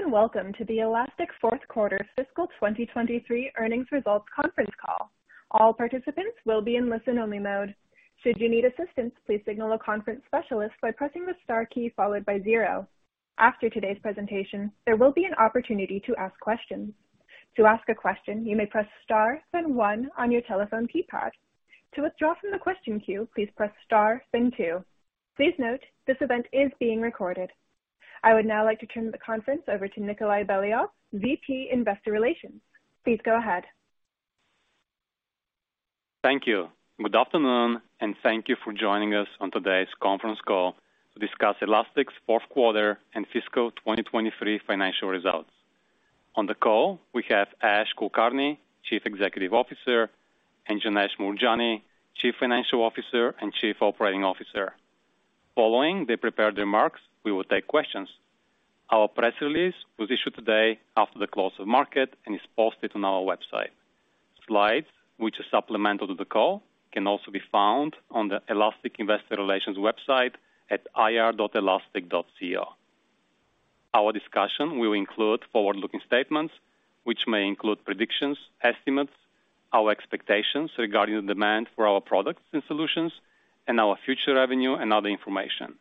Hello, welcome to the Elastic Q4 fiscal 2023 earnings results conference call. All participants will be in listen-only mode. Should you need assistance, please signal a conference specialist by pressing the star key followed by zero. After today's presentation, there will be an opportunity to ask questions. To ask a question, you may press star, then one on your telephone keypad. To withdraw from the question queue, please press star, then two. Please note, this event is being recorded. I would now like to turn the conference over to Nikolay Beliov, VP, Investor Relations. Please go ahead. Thank you. Good afternoon. Thank you for joining us on today's conference call to discuss Elastic's Q4 and fiscal 2023 financial results. On the call, we have Ash Kulkarni, Chief Executive Officer, and Janesh Moorjani, Chief Financial Officer and Chief Operating Officer. Following the prepared remarks, we will take questions. Our press release was issued today after the close of market and is posted on our website. Slides, which are supplemental to the call, can also be found on the Elastic Investor Relations website at ir.elastic.co. Our discussion will include forward-looking statements, which may include predictions, estimates, our expectations regarding the demand for our products and solutions, and our future revenue and other information.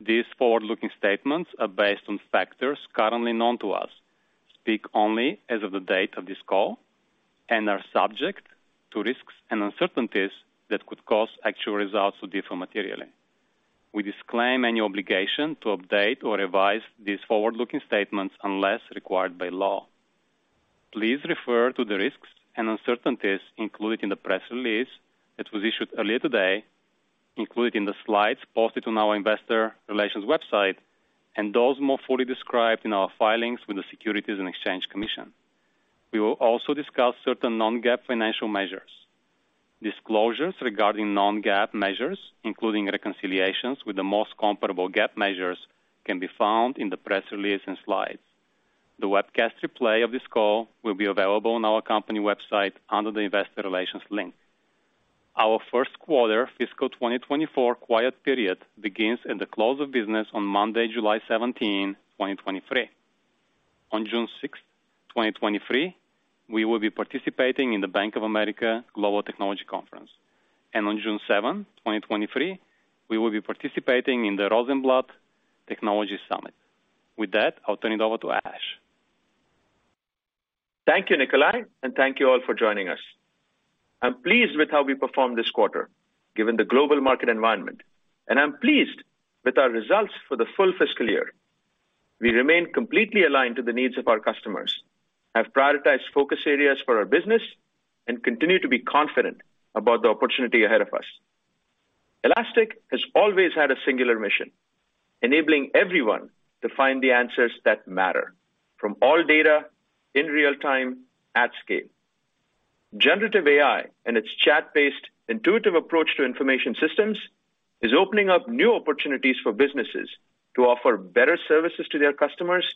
These forward-looking statements are based on factors currently known to us, speak only as of the date of this call, and are subject to risks and uncertainties that could cause actual results to differ materially. We disclaim any obligation to update or revise these forward-looking statements unless required by law. Please refer to the risks and uncertainties included in the press release that was issued earlier today, included in the slides posted on our Investor Relations website, and those more fully described in our filings with the Securities and Exchange Commission. We will also discuss certain non-GAAP financial measures. Disclosures regarding non-GAAP measures, including reconciliations with the most comparable GAAP measures, can be found in the press release and slides. The webcast replay of this call will be available on our company website under the Investor Relations link. Our Q1 fiscal 2024 quiet period begins at the close of business on Monday, July 17, 2023. On June 6, 2023, we will be participating in the Bank of America Global Technology Conference, and on June 7, 2023, we will be participating in the Rosenblatt Technology Summit. With that, I'll turn it over to Ash. Thank you, Nikolay, and thank you all for joining us. I'm pleased with how we performed this quarter, given the global market environment, and I'm pleased with our results for the full fiscal year. We remain completely aligned to the needs of our customers, have prioritized focus areas for our business, and continue to be confident about the opportunity ahead of us. Elastic has always had a singular mission: enabling everyone to find the answers that matter from all data in real time, at scale. Generative AI and its chat-based intuitive approach to information systems is opening up new opportunities for businesses to offer better services to their customers,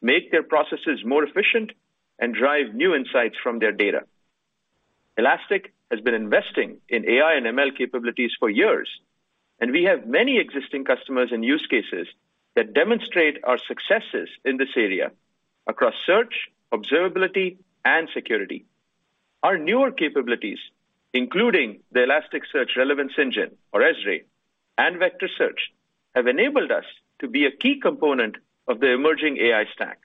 make their processes more efficient, and drive new insights from their data. Elastic has been investing in AI and ML capabilities for years, and we have many existing customers and use cases that demonstrate our successes in this area across search, observability, and security. Our newer capabilities, including the Elasticsearch Relevance Engine, or ESRE, and vector search, have enabled us to be a key component of the emerging AI stack,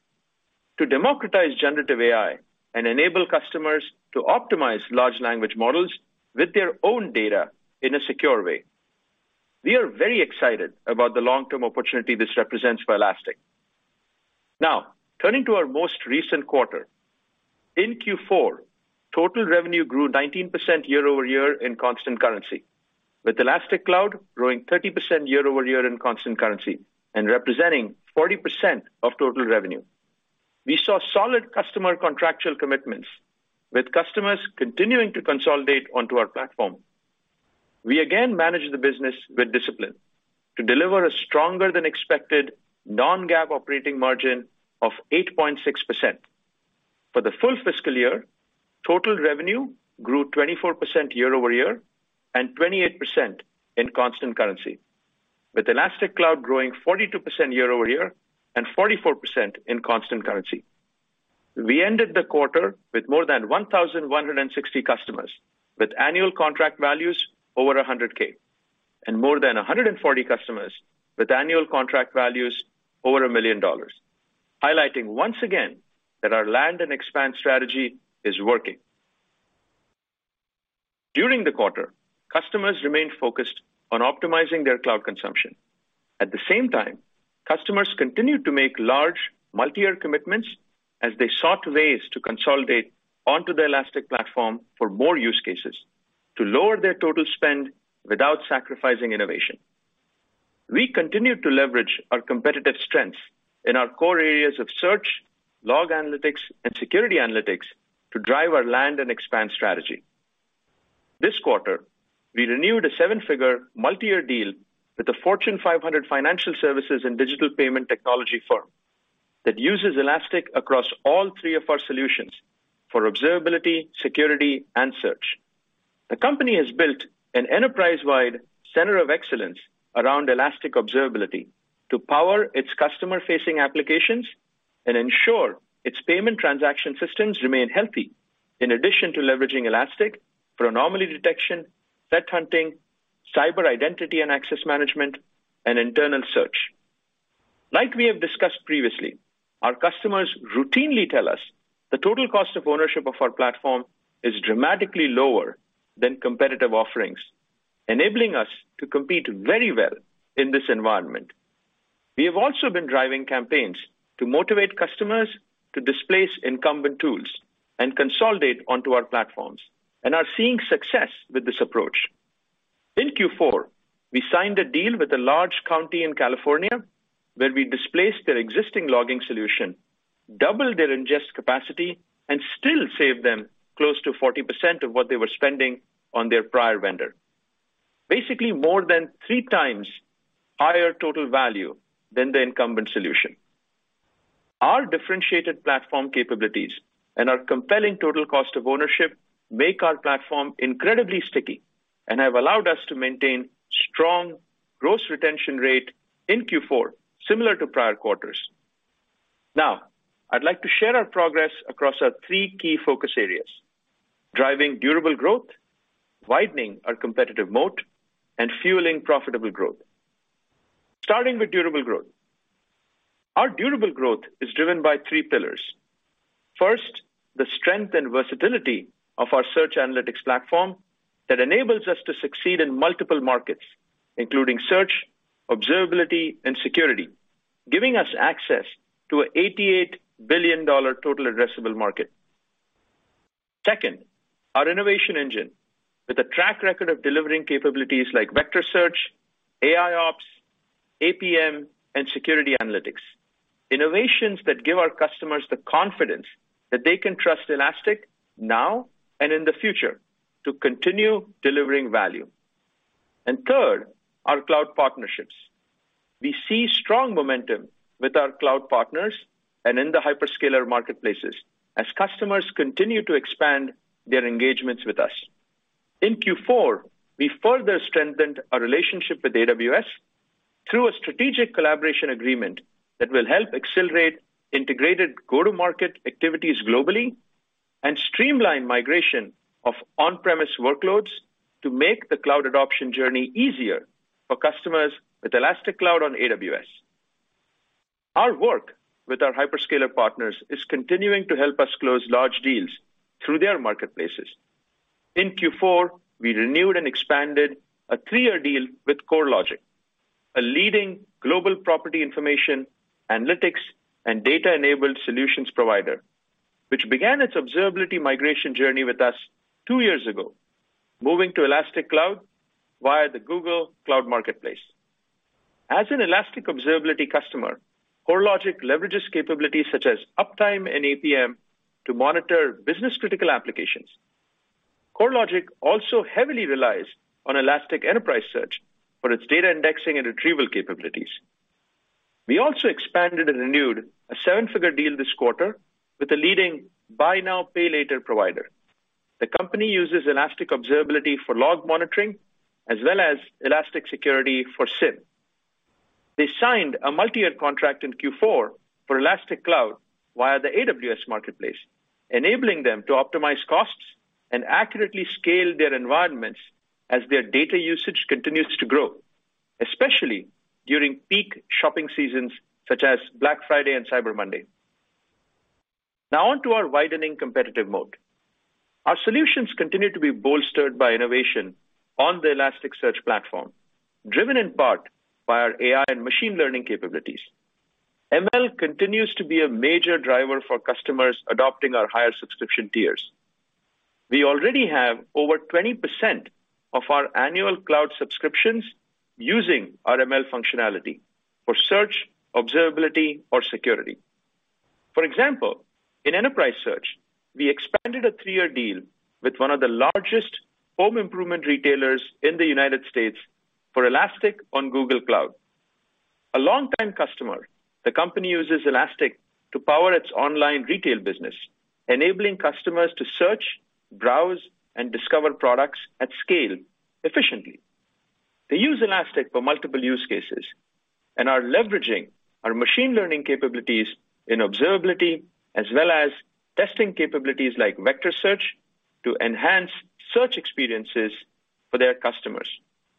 to democratize generative AI and enable customers to optimize large language models with their own data in a secure way. We are very excited about the long-term opportunity this represents for Elastic. Turning to our most recent quarter. In Q4, total revenue grew 19% year-over-year in constant currency, with Elastic Cloud growing 30% year-over-year in constant currency and representing 40% of total revenue. We saw solid customer contractual commitments, with customers continuing to consolidate onto our platform. We again managed the business with discipline to deliver a stronger than expected non-GAAP operating margin of 8.6%. For the full fiscal year, total revenue grew 24% year-over-year and 28% in constant currency, with Elastic Cloud growing 42% year-over-year and 44% in constant currency. We ended the quarter with more than 1,160 customers, with annual contract values over $100K, and more than 140 customers with annual contract values over $1 million, highlighting once again that our land and expand strategy is working. During the quarter, customers remained focused on optimizing their cloud consumption. At the same time, customers continued to make large, multi-year commitments as they sought ways to consolidate onto the Elastic platform for more use cases to lower their total spend without sacrificing innovation. We continued to leverage our competitive strengths in our core areas of search, log analytics, and security analytics to drive our land and expand strategy. This quarter, we renewed a seven-figure, multi-year deal with the Fortune 500 financial services and digital payment technology firm that uses Elastic across all three of our solutions for observability, security, and search. The company has built an enterprise-wide center of excellence around Elastic Observability to power its customer-facing applications and ensure its payment transaction systems remain healthy, in addition to leveraging Elastic for anomaly detection, threat hunting, cyber identity and access management, and internal search. Like we have discussed previously, our customers routinely tell us the total cost of ownership of our platform is dramatically lower than competitive offerings, enabling us to compete very well in this environment. We have also been driving campaigns to motivate customers to displace incumbent tools and consolidate onto our platforms, and are seeing success with this approach. In Q4, we signed a deal with a large county in California, where we displaced their existing logging solution, doubled their ingest capacity, and still saved them close to 40% of what they were spending on their prior vendor. Basically, more than 3x higher total value than the incumbent solution. Our differentiated platform capabilities and our compelling total cost of ownership make our platform incredibly sticky and have allowed us to maintain strong gross retention rate in Q4, similar to prior quarters. Now, I'd like to share our progress across our three key focus areas: driving durable growth, widening our competitive moat, and fueling profitable growth. Starting with durable growth. Our durable growth is driven by three pillars. The strength and versatility of our search analytics platform that enables us to succeed in multiple markets, including search, Observability, and Security, giving us access to a $88 billion total addressable market. Our innovation engine with a track record of delivering capabilities like vector search, AIOps, APM, and security analytics, innovations that give our customers the confidence that they can trust Elastic now and in the future to continue delivering value. Third, our cloud partnerships. We see strong momentum with our cloud partners and in the hyperscaler marketplaces as customers continue to expand their engagements with us. In Q4, we further strengthened our relationship with AWS through a strategic collaboration agreement that will help accelerate integrated go-to-market activities globally and streamline migration of on-premise workloads to make the cloud adoption journey easier for customers with Elastic Cloud on AWS. Our work with our hyperscaler partners is continuing to help us close large deals through their marketplaces. In Q4, we renewed and expanded a three-year deal with CoreLogic, a leading global property information, analytics, and data-enabled solutions provider, which began its observability migration journey with us two years ago, moving to Elastic Cloud via the Google Cloud Marketplace. As an Elastic Observability customer, CoreLogic leverages capabilities such as Uptime and APM to monitor business-critical applications. CoreLogic also heavily relies on Elastic Enterprise Search for its data indexing and retrieval capabilities. We also expanded and renewed a seven-figure deal this quarter with a leading buy now, pay later provider. The company uses Elastic Observability for log monitoring as well as Elastic Security for SIEM. They signed a multi-year contract in Q4 for Elastic Cloud via the AWS Marketplace, enabling them to optimize costs and accurately scale their environments as their data usage continues to grow, especially during peak shopping seasons such as Black Friday and Cyber Monday. On to our widening competitive moat. Our solutions continue to be bolstered by innovation on the Elasticsearch platform, driven in part by our AI and machine learning capabilities. ML continues to be a major driver for customers adopting our higher subscription tiers. We already have over 20% of our annual cloud subscriptions using our ML functionality for search, observability, or security. For example, in enterprise search, we expanded a three-year deal with one of the largest home improvement retailers in the United States for Elastic on Google Cloud. A longtime customer, the company uses Elastic to power its online retail business, enabling customers to search, browse, and discover products at scale efficiently. They use Elastic for multiple use cases and are leveraging our machine learning capabilities in observability, as well as testing capabilities like vector search, to enhance search experiences for their customers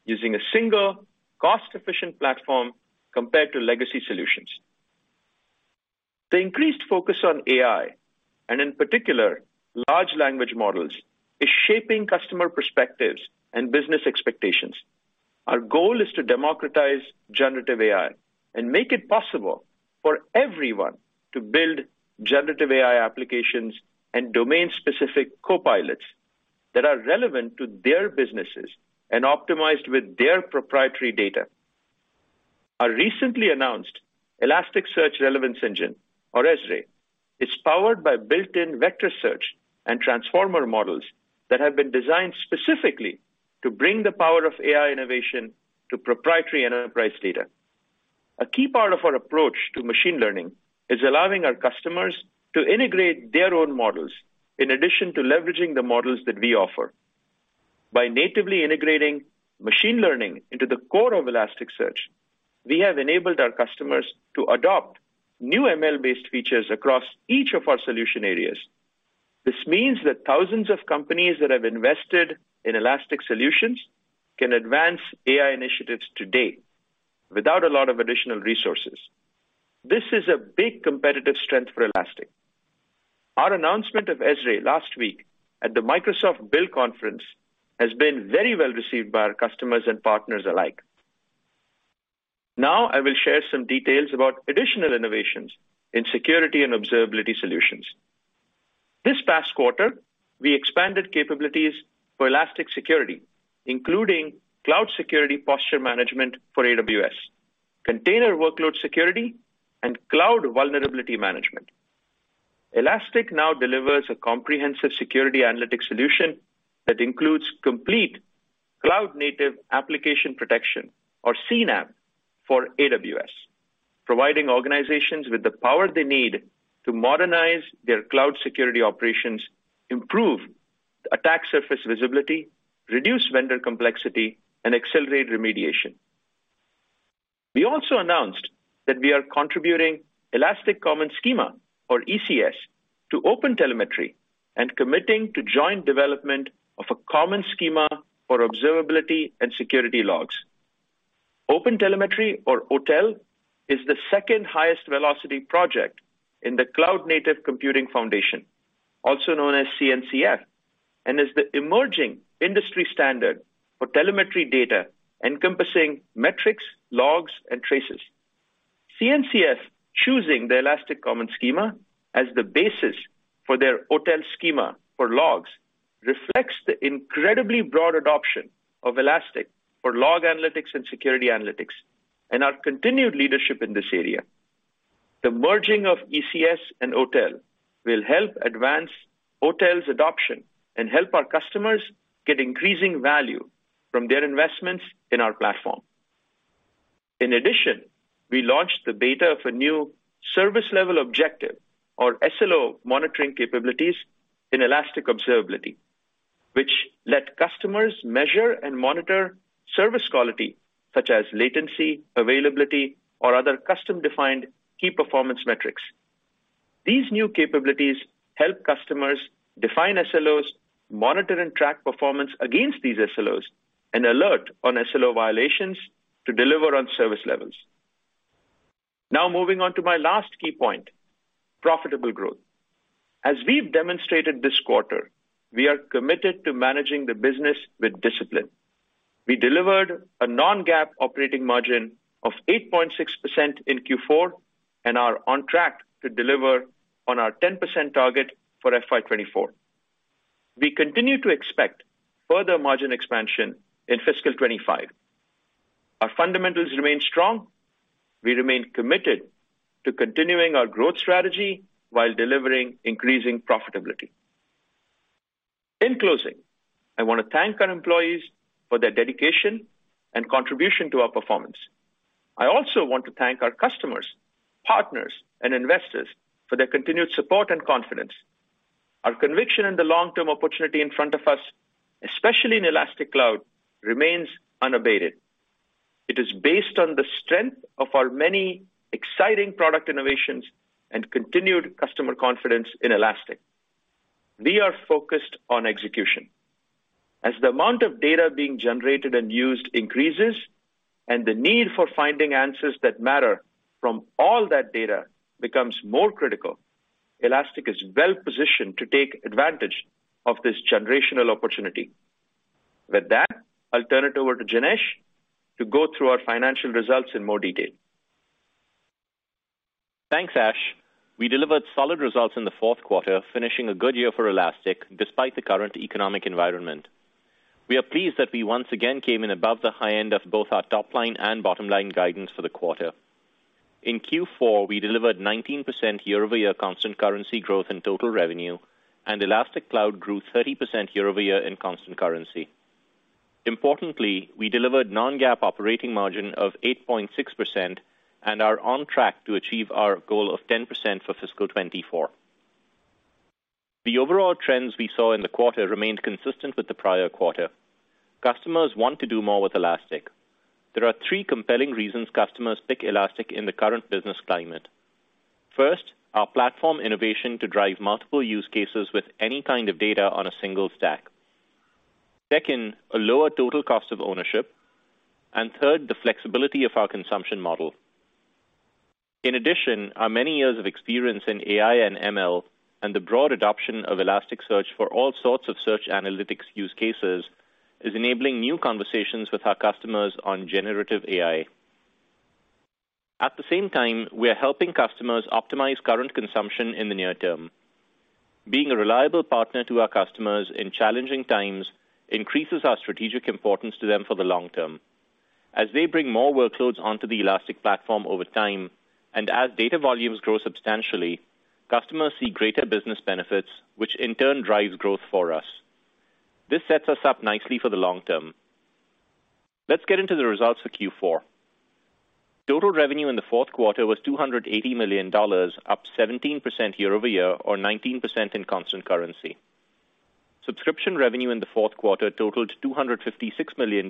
using a single cost-efficient platform compared to legacy solutions. The increased focus on AI, and in particular, large language models, is shaping customer perspectives and business expectations. Our goal is to democratize generative AI and make it possible for everyone to build generative AI applications and domain-specific copilots that are relevant to their businesses and optimized with their proprietary data. Our recently announced Elasticsearch Relevance Engine, or ESRE, is powered by built-in vector search and transformer models that have been designed specifically to bring the power of AI innovation to proprietary enterprise data. A key part of our approach to machine learning is allowing our customers to integrate their own models, in addition to leveraging the models that we offer. By natively integrating machine learning into the core of Elasticsearch, we have enabled our customers to adopt new ML-based features across each of our solution areas. This means that thousands of companies that have invested in Elastic solutions can advance AI initiatives today without a lot of additional resources. This is a big competitive strength for Elastic. Our announcement of ESRE last week at the Microsoft Build conference has been very well received by our customers and partners alike. I will share some details about additional innovations in security and observability solutions. This past quarter, we expanded capabilities for Elastic Security, including cloud security posture management for AWS, container workload security, and cloud vulnerability management. Elastic now delivers a comprehensive security analytics solution that includes complete cloud native application protection, or CNAPP, for AWS, providing organizations with the power they need to modernize their cloud security operations, improve attack surface visibility, reduce vendor complexity, and accelerate remediation. We also announced that we are contributing Elastic Common Schema, or ECS, to OpenTelemetry, and committing to joint development of a common schema for observability and security logs. OpenTelemetry, or OTel, is the second highest velocity project in the Cloud Native Computing Foundation, also known as CNCF, and is the emerging industry standard for telemetry data, encompassing metrics, logs, and traces. CNCF choosing the Elastic Common Schema as the basis for their OTel schema for logs, reflects the incredibly broad adoption of Elastic for log analytics and security analytics, and our continued leadership in this area. The merging of ECS and OTel will help advance OTel's adoption and help our customers get increasing value from their investments in our platform. In addition, we launched the beta of a new service level objective, or SLO, monitoring capabilities in Elastic Observability, which let customers measure and monitor service quality, such as latency, availability, or other custom-defined key performance metrics. These new capabilities help customers define SLOs, monitor and track performance against these SLOs, and alert on SLO violations to deliver on service levels. Now, moving on to my last key point, profitable growth. As we've demonstrated this quarter, we are committed to managing the business with discipline. We delivered a non-GAAP operating margin of 8.6% in Q4, and are on track to deliver on our 10% target for FY 2024. We continue to expect further margin expansion in fiscal 2025. Our fundamentals remain strong. We remain committed to continuing our growth strategy while delivering increasing profitability. In closing, I want to thank our employees for their dedication and contribution to our performance. I also want to thank our customers, partners, and investors for their continued support and confidence. Our conviction in the long-term opportunity in front of us, especially in Elastic Cloud, remains unabated. It is based on the strength of our many exciting product innovations and continued customer confidence in Elastic. We are focused on execution. As the amount of data being generated and used increases, and the need for finding answers that matter from all that data becomes more critical, Elastic is well positioned to take advantage of this generational opportunity. With that, I'll turn it over to Janesh to go through our financial results in more detail. Thanks, Ash. We delivered solid results in the Q4, finishing a good year for Elastic despite the current economic environment. We are pleased that we once again came in above the high end of both our top line and bottom line guidance for the quarter. In Q4, we delivered 19% year-over-year constant currency growth in total revenue, and Elastic Cloud grew 30% year-over-year in constant currency. Importantly, we delivered non-GAAP operating margin of 8.6% and are on track to achieve our goal of 10% for fiscal 2024. The overall trends we saw in the quarter remained consistent with the prior quarter. Customers want to do more with Elastic. There are three compelling reasons customers pick Elastic in the current business climate. First, our platform innovation to drive multiple use cases with any kind of data on a single stack. Second, a lower total cost of ownership. Third, the flexibility of our consumption model. In addition, our many years of experience in AI and ML, and the broad adoption of Elasticsearch for all sorts of search analytics use cases, is enabling new conversations with our customers on generative AI. At the same time, we are helping customers optimize current consumption in the near term. Being a reliable partner to our customers in challenging times increases our strategic importance to them for the long term. As they bring more workloads onto the Elastic platform over time, and as data volumes grow substantially, customers see greater business benefits, which in turn drives growth for us. This sets us up nicely for the long term. Let's get into the results for Q4. Total revenue in the Q4 was $280 million, up 17% year-over-year, or 19% in constant currency. Subscription revenue in the Q4 totaled $256 million,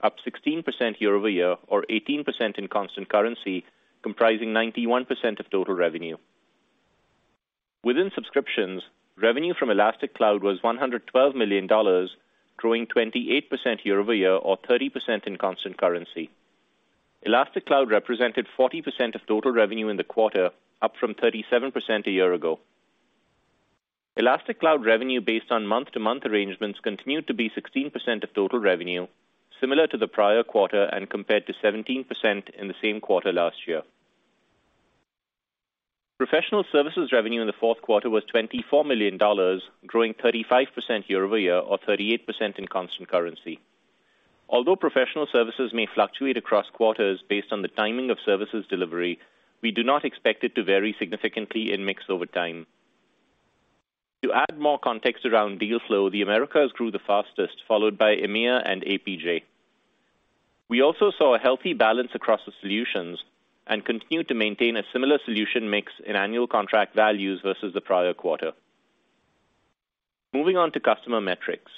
up 16% year-over-year, or 18% in constant currency, comprising 91% of total revenue. Within subscriptions, revenue from Elastic Cloud was $112 million, growing 28% year-over-year or 30% in constant currency. Elastic Cloud represented 40% of total revenue in the quarter, up from 37% a year ago. Elastic Cloud revenue based on month-to-month arrangements continued to be 16% of total revenue, similar to the prior quarter, and compared to 17% in the same quarter last year. Professional services revenue in the Q4 was $24 million, growing 35% year-over-year, or 38% in constant currency. Although professional services may fluctuate across quarters based on the timing of services delivery, we do not expect it to vary significantly in mix over time. To add more context around deal flow, the Americas grew the fastest, followed by EMEA and APJ. We also saw a healthy balance across the solutions and continued to maintain a similar solution mix in annual contract values versus the prior quarter. Moving on to customer metrics.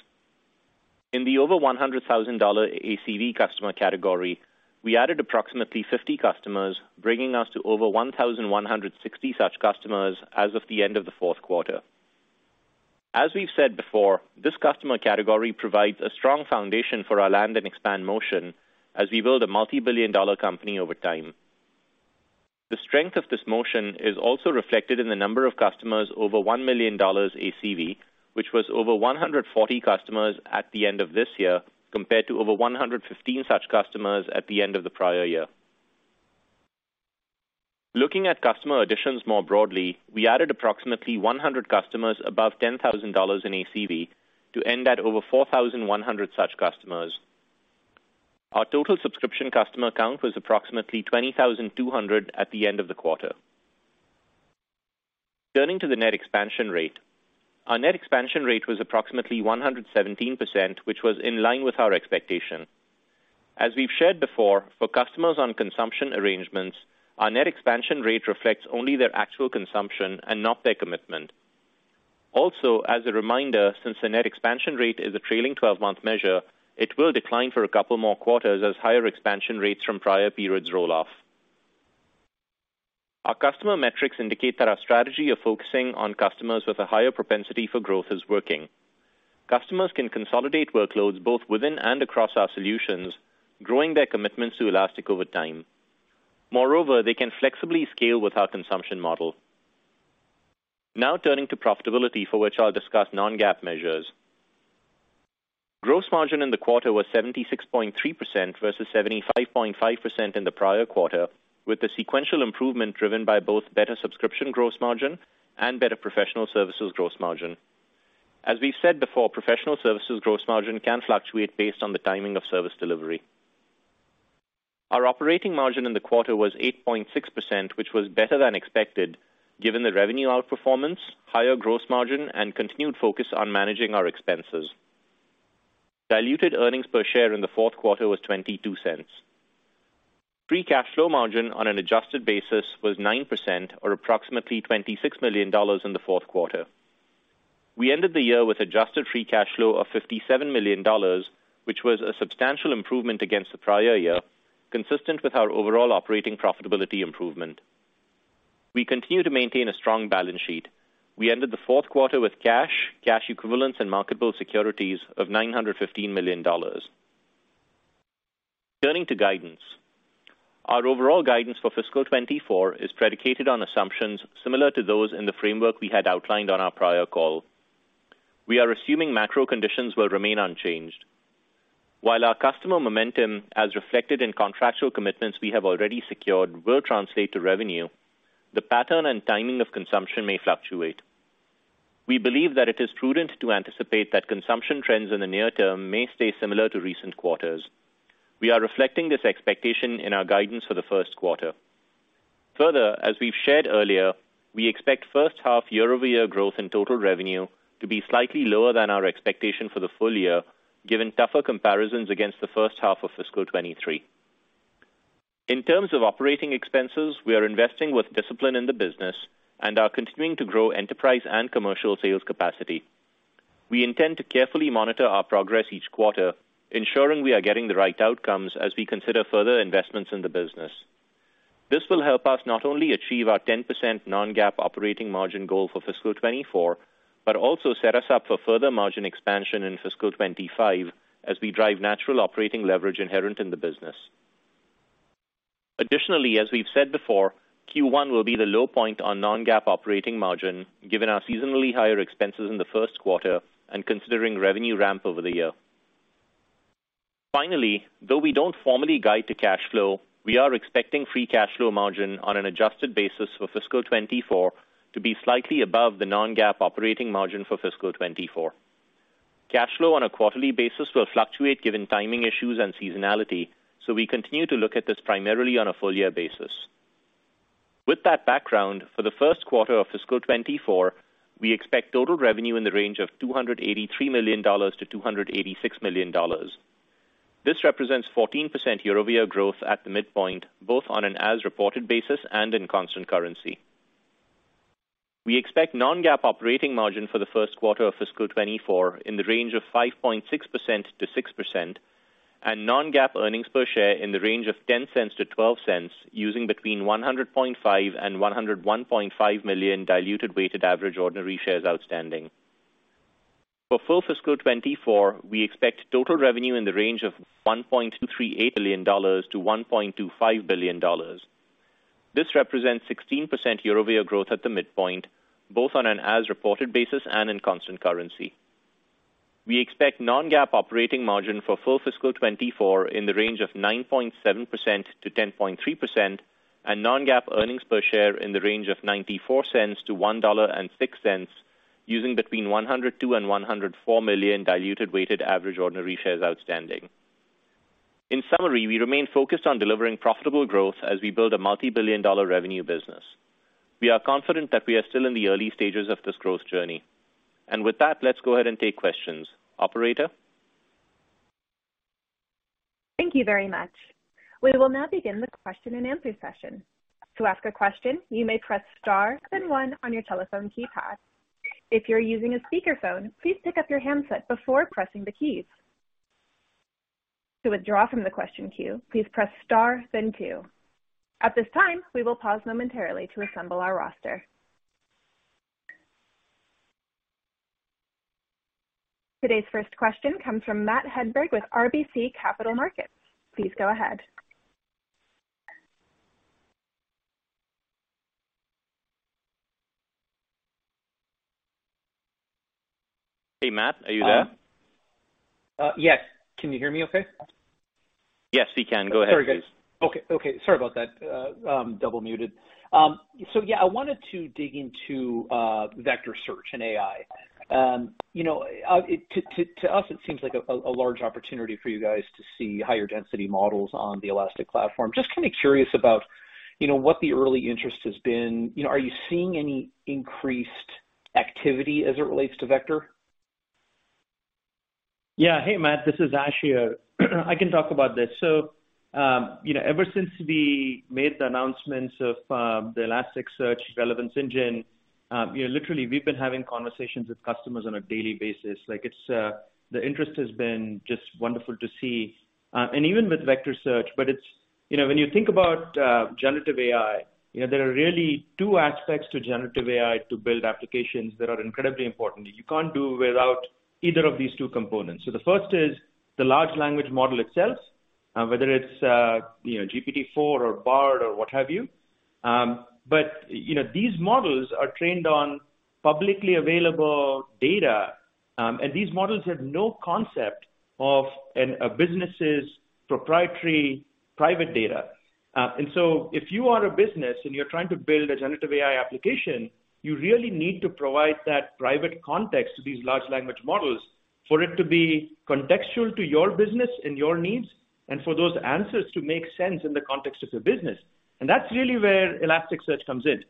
In the over $100,000 ACV customer category, we added approximately 50 customers, bringing us to over 1,160 such customers as of the end of the Q4. As we've said before, this customer category provides a strong foundation for our land and expand motion as we build a multi-billion dollar company over time. The strength of this motion is also reflected in the number of customers over $1 million ACV, which was over 140 customers at the end of this year, compared to over 115 such customers at the end of the prior year. Looking at customer additions more broadly, we added approximately 100 customers above $10,000 in ACV to end at over 4,100 such customers. Our total subscription customer count was approximately 20,200 at the end of the quarter. Turning to the net expansion rate. Our net expansion rate was approximately 117%, which was in line with our expectation. As we've shared before, for customers on consumption arrangements, our net expansion rate reflects only their actual consumption and not their commitment. Also, as a reminder, since the net expansion rate is a trailing 12-month measure, it will decline for a couple more quarters as higher expansion rates from prior periods roll off. Our customer metrics indicate that our strategy of focusing on customers with a higher propensity for growth is working. Customers can consolidate workloads both within and across our solutions, growing their commitments to Elastic over time. Moreover, they can flexibly scale with our consumption model. Turning to profitability, for which I'll discuss non-GAAP measures. Gross margin in the quarter was 76.3% versus 75.5% in the prior quarter, with the sequential improvement driven by both better subscription gross margin and better professional services gross margin. As we've said before, professional services gross margin can fluctuate based on the timing of service delivery. Our operating margin in the quarter was 8.6%, which was better than expected, given the revenue outperformance, higher gross margin, and continued focus on managing our expenses. Diluted earnings per share in the Q4 was $0.22. Free cash flow margin on an adjusted basis was 9% or approximately $26 million in the Q4. We ended the year with adjusted free cash flow of $57 million, which was a substantial improvement against the prior year, consistent with our overall operating profitability improvement. We continue to maintain a strong balance sheet. We ended the Q4 with cash equivalents, and marketable securities of $915 million. Turning to guidance. Our overall guidance for fiscal 2024 is predicated on assumptions similar to those in the framework we had outlined on our prior call. We are assuming macro conditions will remain unchanged. While our customer momentum, as reflected in contractual commitments we have already secured, will translate to revenue, the pattern and timing of consumption may fluctuate. We believe that it is prudent to anticipate that consumption trends in the near term may stay similar to recent quarters. We are reflecting this expectation in our guidance for the Q1. As we've shared earlier, we expect first half year-over-year growth in total revenue to be slightly lower than our expectation for the full year, given tougher comparisons against the first half of fiscal 2023. In terms of operating expenses, we are investing with discipline in the business and are continuing to grow enterprise and commercial sales capacity. We intend to carefully monitor our progress each quarter, ensuring we are getting the right outcomes as we consider further investments in the business. This will help us not only achieve our 10% non-GAAP operating margin goal for fiscal 2024, but also set us up for further margin expansion in fiscal 2025 as we drive natural operating leverage inherent in the business. Additionally, as we've said before, Q1 will be the low point on non-GAAP operating margin, given our seasonally higher expenses in the Q1 and considering revenue ramp over the year. Finally, though we don't formally guide to cash flow, we are expecting free cash flow margin on an adjusted basis for fiscal 2024 to be slightly above the non-GAAP operating margin for fiscal 2024. Cash flow on a quarterly basis will fluctuate given timing issues and seasonality, so we continue to look at this primarily on a full year basis. With that background, for the Q1 of fiscal 2024, we expect total revenue in the range of $283 million-$286 million. This represents 14% year-over-year growth at the midpoint, both on an as-reported basis and in constant currency. We expect non-GAAP operating margin for the Q1 of fiscal 2024 in the range of 5.6%-6%, and non-GAAP earnings per share in the range of $0.10-$0.12, using between 100.5 million and 101.5 million diluted weighted average ordinary shares outstanding. For full fiscal 2024, we expect total revenue in the range of $1.238 billion-$1.25 billion. This represents 16% year-over-year growth at the midpoint, both on an as-reported basis and in constant currency. We expect non-GAAP operating margin for full fiscal 2024 in the range of 9.7%-10.3%, and non-GAAP earnings per share in the range of $0.94-$1.06, using between 102 million and 104 million diluted weighted average ordinary shares outstanding. In summary, we remain focused on delivering profitable growth as we build a multi-billion dollar revenue business. We are confident that we are still in the early stages of this growth journey. With that, let's go ahead and take questions. Operator? Thank you very much. We will now begin the question-and-answer session. To ask a question, you may press star then one on your telephone keypad. If you're using a speakerphone, please pick up your handset before pressing the keys. To withdraw from the question queue, please press star, then two. At this time, we will pause momentarily to assemble our roster. Today's first question comes from Matt Hedberg with RBC Capital Markets. Please go ahead. Hey, Matt, are you there? Yes. Can you hear me okay? Yes, we can. Go ahead, please. Very good. Okay, sorry about that, double muted. Yeah, I wanted to dig into vector search and AI. You know, to us, it seems like a large opportunity for you guys to see higher density models on the Elastic platform. Just kind of curious about, you know, what the early interest has been. You know, are you seeing any increased activity as it relates to vector? Yeah. Hey, Matt, this is Ash. I can talk about this. You know, ever since we made the announcements of the Elasticsearch Relevance Engine, you know, literally, we've been having conversations with customers on a daily basis. Like, it's the interest has been just wonderful to see, and even with vector search, but it's. You know, when you think about generative AI, you know, there are really two aspects to generative AI to build applications that are incredibly important. You can't do without either of these two components. The first is the large language model itself, whether it's, you know, GPT-4 or Bard or what have you. You know, these models are trained on publicly available data, and these models have no concept of a business's proprietary private data. If you are a business and you're trying to build a generative AI application, you really need to provide that private context to these large language models for it to be contextual to your business and your needs, and for those answers to make sense in the context of your business. That's really where Elasticsearch comes in.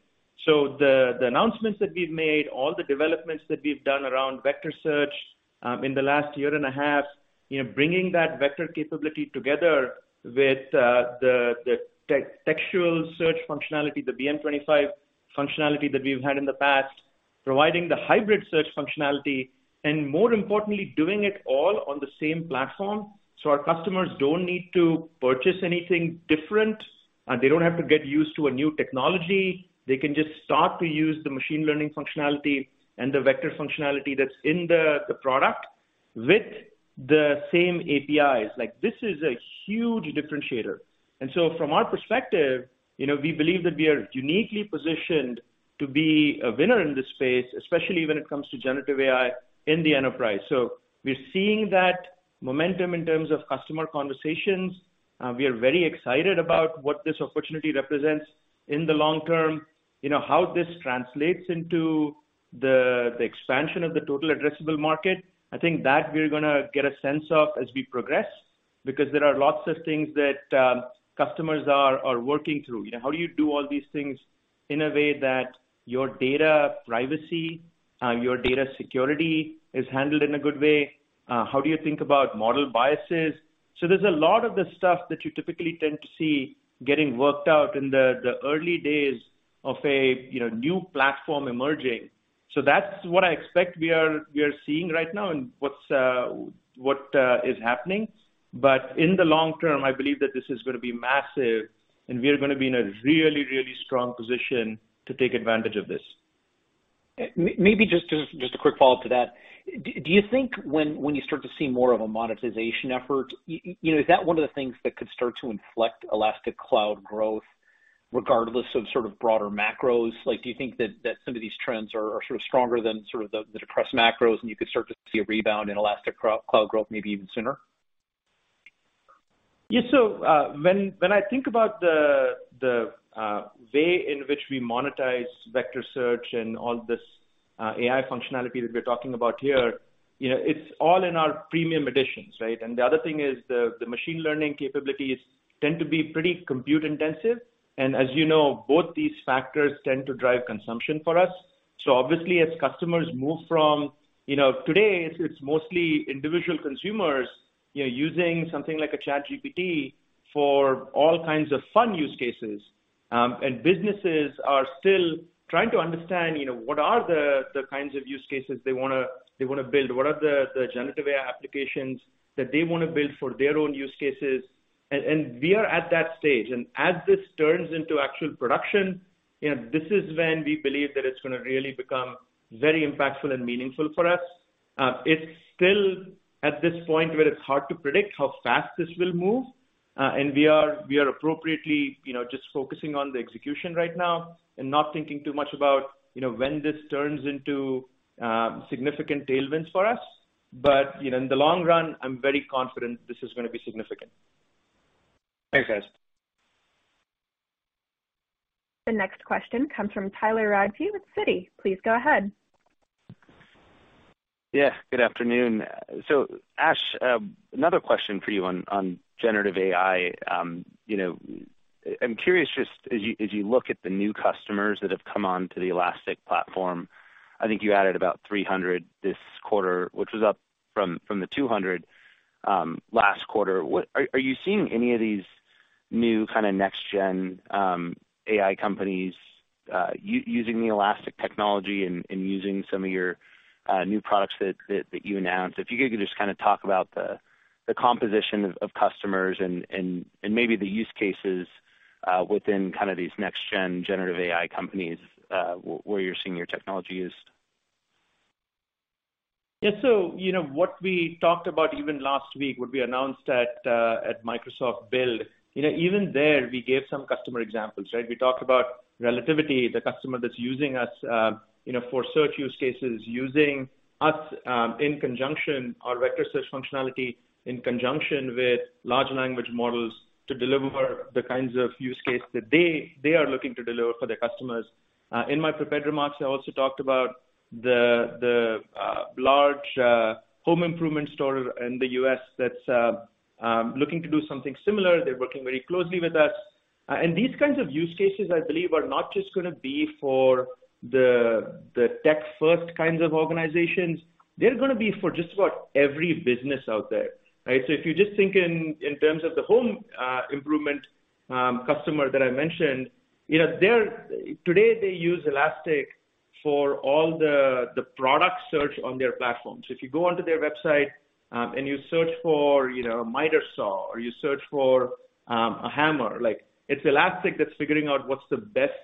The announcements that we've made, all the developments that we've done around vector search, in the last year and a half, you know, bringing that vector capability together with the textual search functionality, the BM25 functionality that we've had in the past, providing the hybrid search functionality, and more importantly, doing it all on the same platform, so our customers don't need to purchase anything different, and they don't have to get used to a new technology. They can just start to use the machine learning functionality and the vector functionality that's in the product with the same APIs. Like, this is a huge differentiator. From our perspective, you know, we believe that we are uniquely positioned to be a winner in this space, especially when it comes to generative AI in the enterprise. We're seeing that momentum in terms of customer conversations. We are very excited about what this opportunity represents in the long term. You know, how this translates into the expansion of the total addressable market, I think that we're gonna get a sense of as we progress, because there are lots of things that customers are working through. You know, how do you do all these things in a way that your data privacy, your data security is handled in a good way? How do you think about model biases? There's a lot of the stuff that you typically tend to see getting worked out in the early days of a, you know, new platform emerging. That's what I expect we are seeing right now and what's, what is happening. In the long term, I believe that this is gonna be massive, and we are gonna be in a really, really strong position to take advantage of this. Maybe just a quick follow-up to that. Do you think when you start to see more of a monetization effort, you know, is that one of the things that could start to inflect Elastic Cloud growth regardless of sort of broader macros? Like, do you think that some of these trends are sort of stronger than the depressed macros, and you could start to see a rebound in Elastic Cloud growth maybe even sooner? Yeah. When I think about the way in which we monetize vector search and all AI functionality that we're talking about here, you know, it's all in our premium editions, right? The other thing is the machine learning capabilities tend to be pretty compute intensive, and as you know, both these factors tend to drive consumption for us. Obviously, as customers move from today, it's mostly individual consumers, you know, using something like a ChatGPT for all kinds of fun use cases. Businesses are still trying to understand, you know, what are the kinds of use cases they wanna build, what are the generative AI applications that they wanna build for their own use cases? We are at that stage. As this turns into actual production, you know, this is when we believe that it's gonna really become very impactful and meaningful for us. It's still at this point where it's hard to predict how fast this will move, and we are appropriately, you know, just focusing on the execution right now and not thinking too much about, you know, when this turns into significant tailwinds for us. You know, in the long run, I'm very confident this is gonna be significant. Thanks, guys. The next question comes from Tyler Radke with Citi. Please go ahead. Yeah, good afternoon. Ash, another question for you on generative AI. You know, I'm curious, just as you look at the new customers that have come on to the Elastic platform, I think you added about 300 this quarter, which was up from the 200 last quarter. Are you seeing any of these new kind of next-gen AI companies using the Elastic technology and using some of your new products that you announced? If you could just kind of talk about the composition of customers and maybe the use cases within kind of these next-gen generative AI companies where you're seeing your technology used. Yeah. You know, what we talked about even last week when we announced at Microsoft Build, you know, even there, we gave some customer examples, right? We talked about Relativity, the customer that's using us, you know, for search use cases, using us, our vector search functionality, in conjunction with large language models to deliver the kinds of use cases that they are looking to deliver for their customers. In my prepared remarks, I also talked about the large home improvement store in the U.S. that's looking to do something similar. They're working very closely with us. These kinds of use cases, I believe, are not just gonna be for the tech-first kinds of organizations. They're gonna be for just about every business out there, right? If you just think in terms of the home improvement customer that I mentioned, you know, today, they use Elastic for all the product search on their platform. If you go onto their website, and you search for, you know, a miter saw, or you search for a hammer, like, it's Elastic that's figuring out what's the best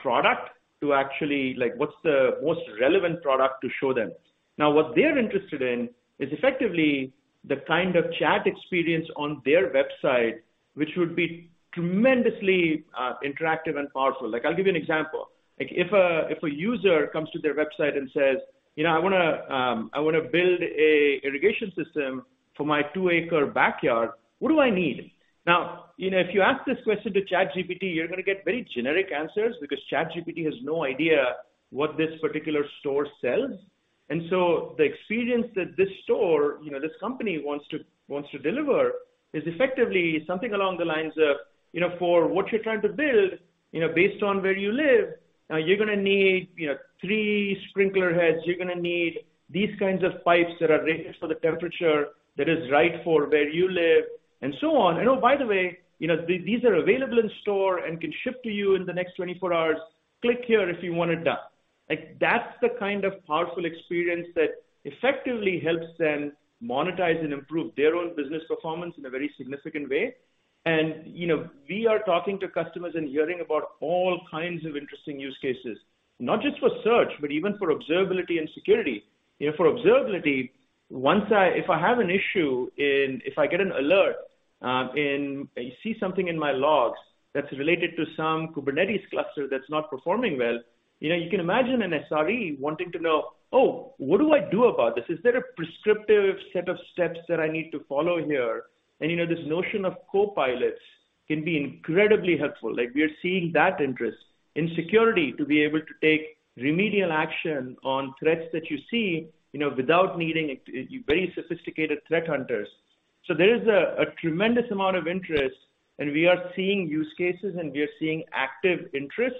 product to show them, like, what's the most relevant product to show them. Now, what they're interested in is effectively the kind of chat experience on their website, which would be tremendously interactive and powerful. Like, I'll give you an example: like, if a user comes to their website and says, "You know, I wanna build an irrigation system for my two-acre backyard, what do I need?" Now, you know, if you ask this question to ChatGPT, you're gonna get very generic answers because ChatGPT has no idea what this particular store sells. The experience that this store, you know, this company wants to deliver is effectively something along the lines of, "You know, for what you're trying to build, you know, based on where you live, you're gonna need, you know, three sprinkler heads. You're gonna need these kinds of pipes that are rated for the temperature that is right for where you live, and so on. Oh, by the way, you know, these are available in store and can ship to you in the next 24 hours. Click here if you want it done." Like, that's the kind of powerful experience that effectively helps them monetize and improve their own business performance in a very significant way. You know, we are talking to customers and hearing about all kinds of interesting use cases, not just for search, but even for observability and security. You know, for observability, if I have an issue, if I get an alert, and I see something in my logs that's related to some Kubernetes cluster that's not performing well, you know, you can imagine an SRE wanting to know, "Oh, what do I do about this? Is there a prescriptive set of steps that I need to follow here? You know, this notion of copilots can be incredibly helpful. Like, we are seeing that interest in security to be able to take remedial action on threats that you see, you know, without needing very sophisticated threat hunters. There is a tremendous amount of interest, and we are seeing use cases, and we are seeing active interest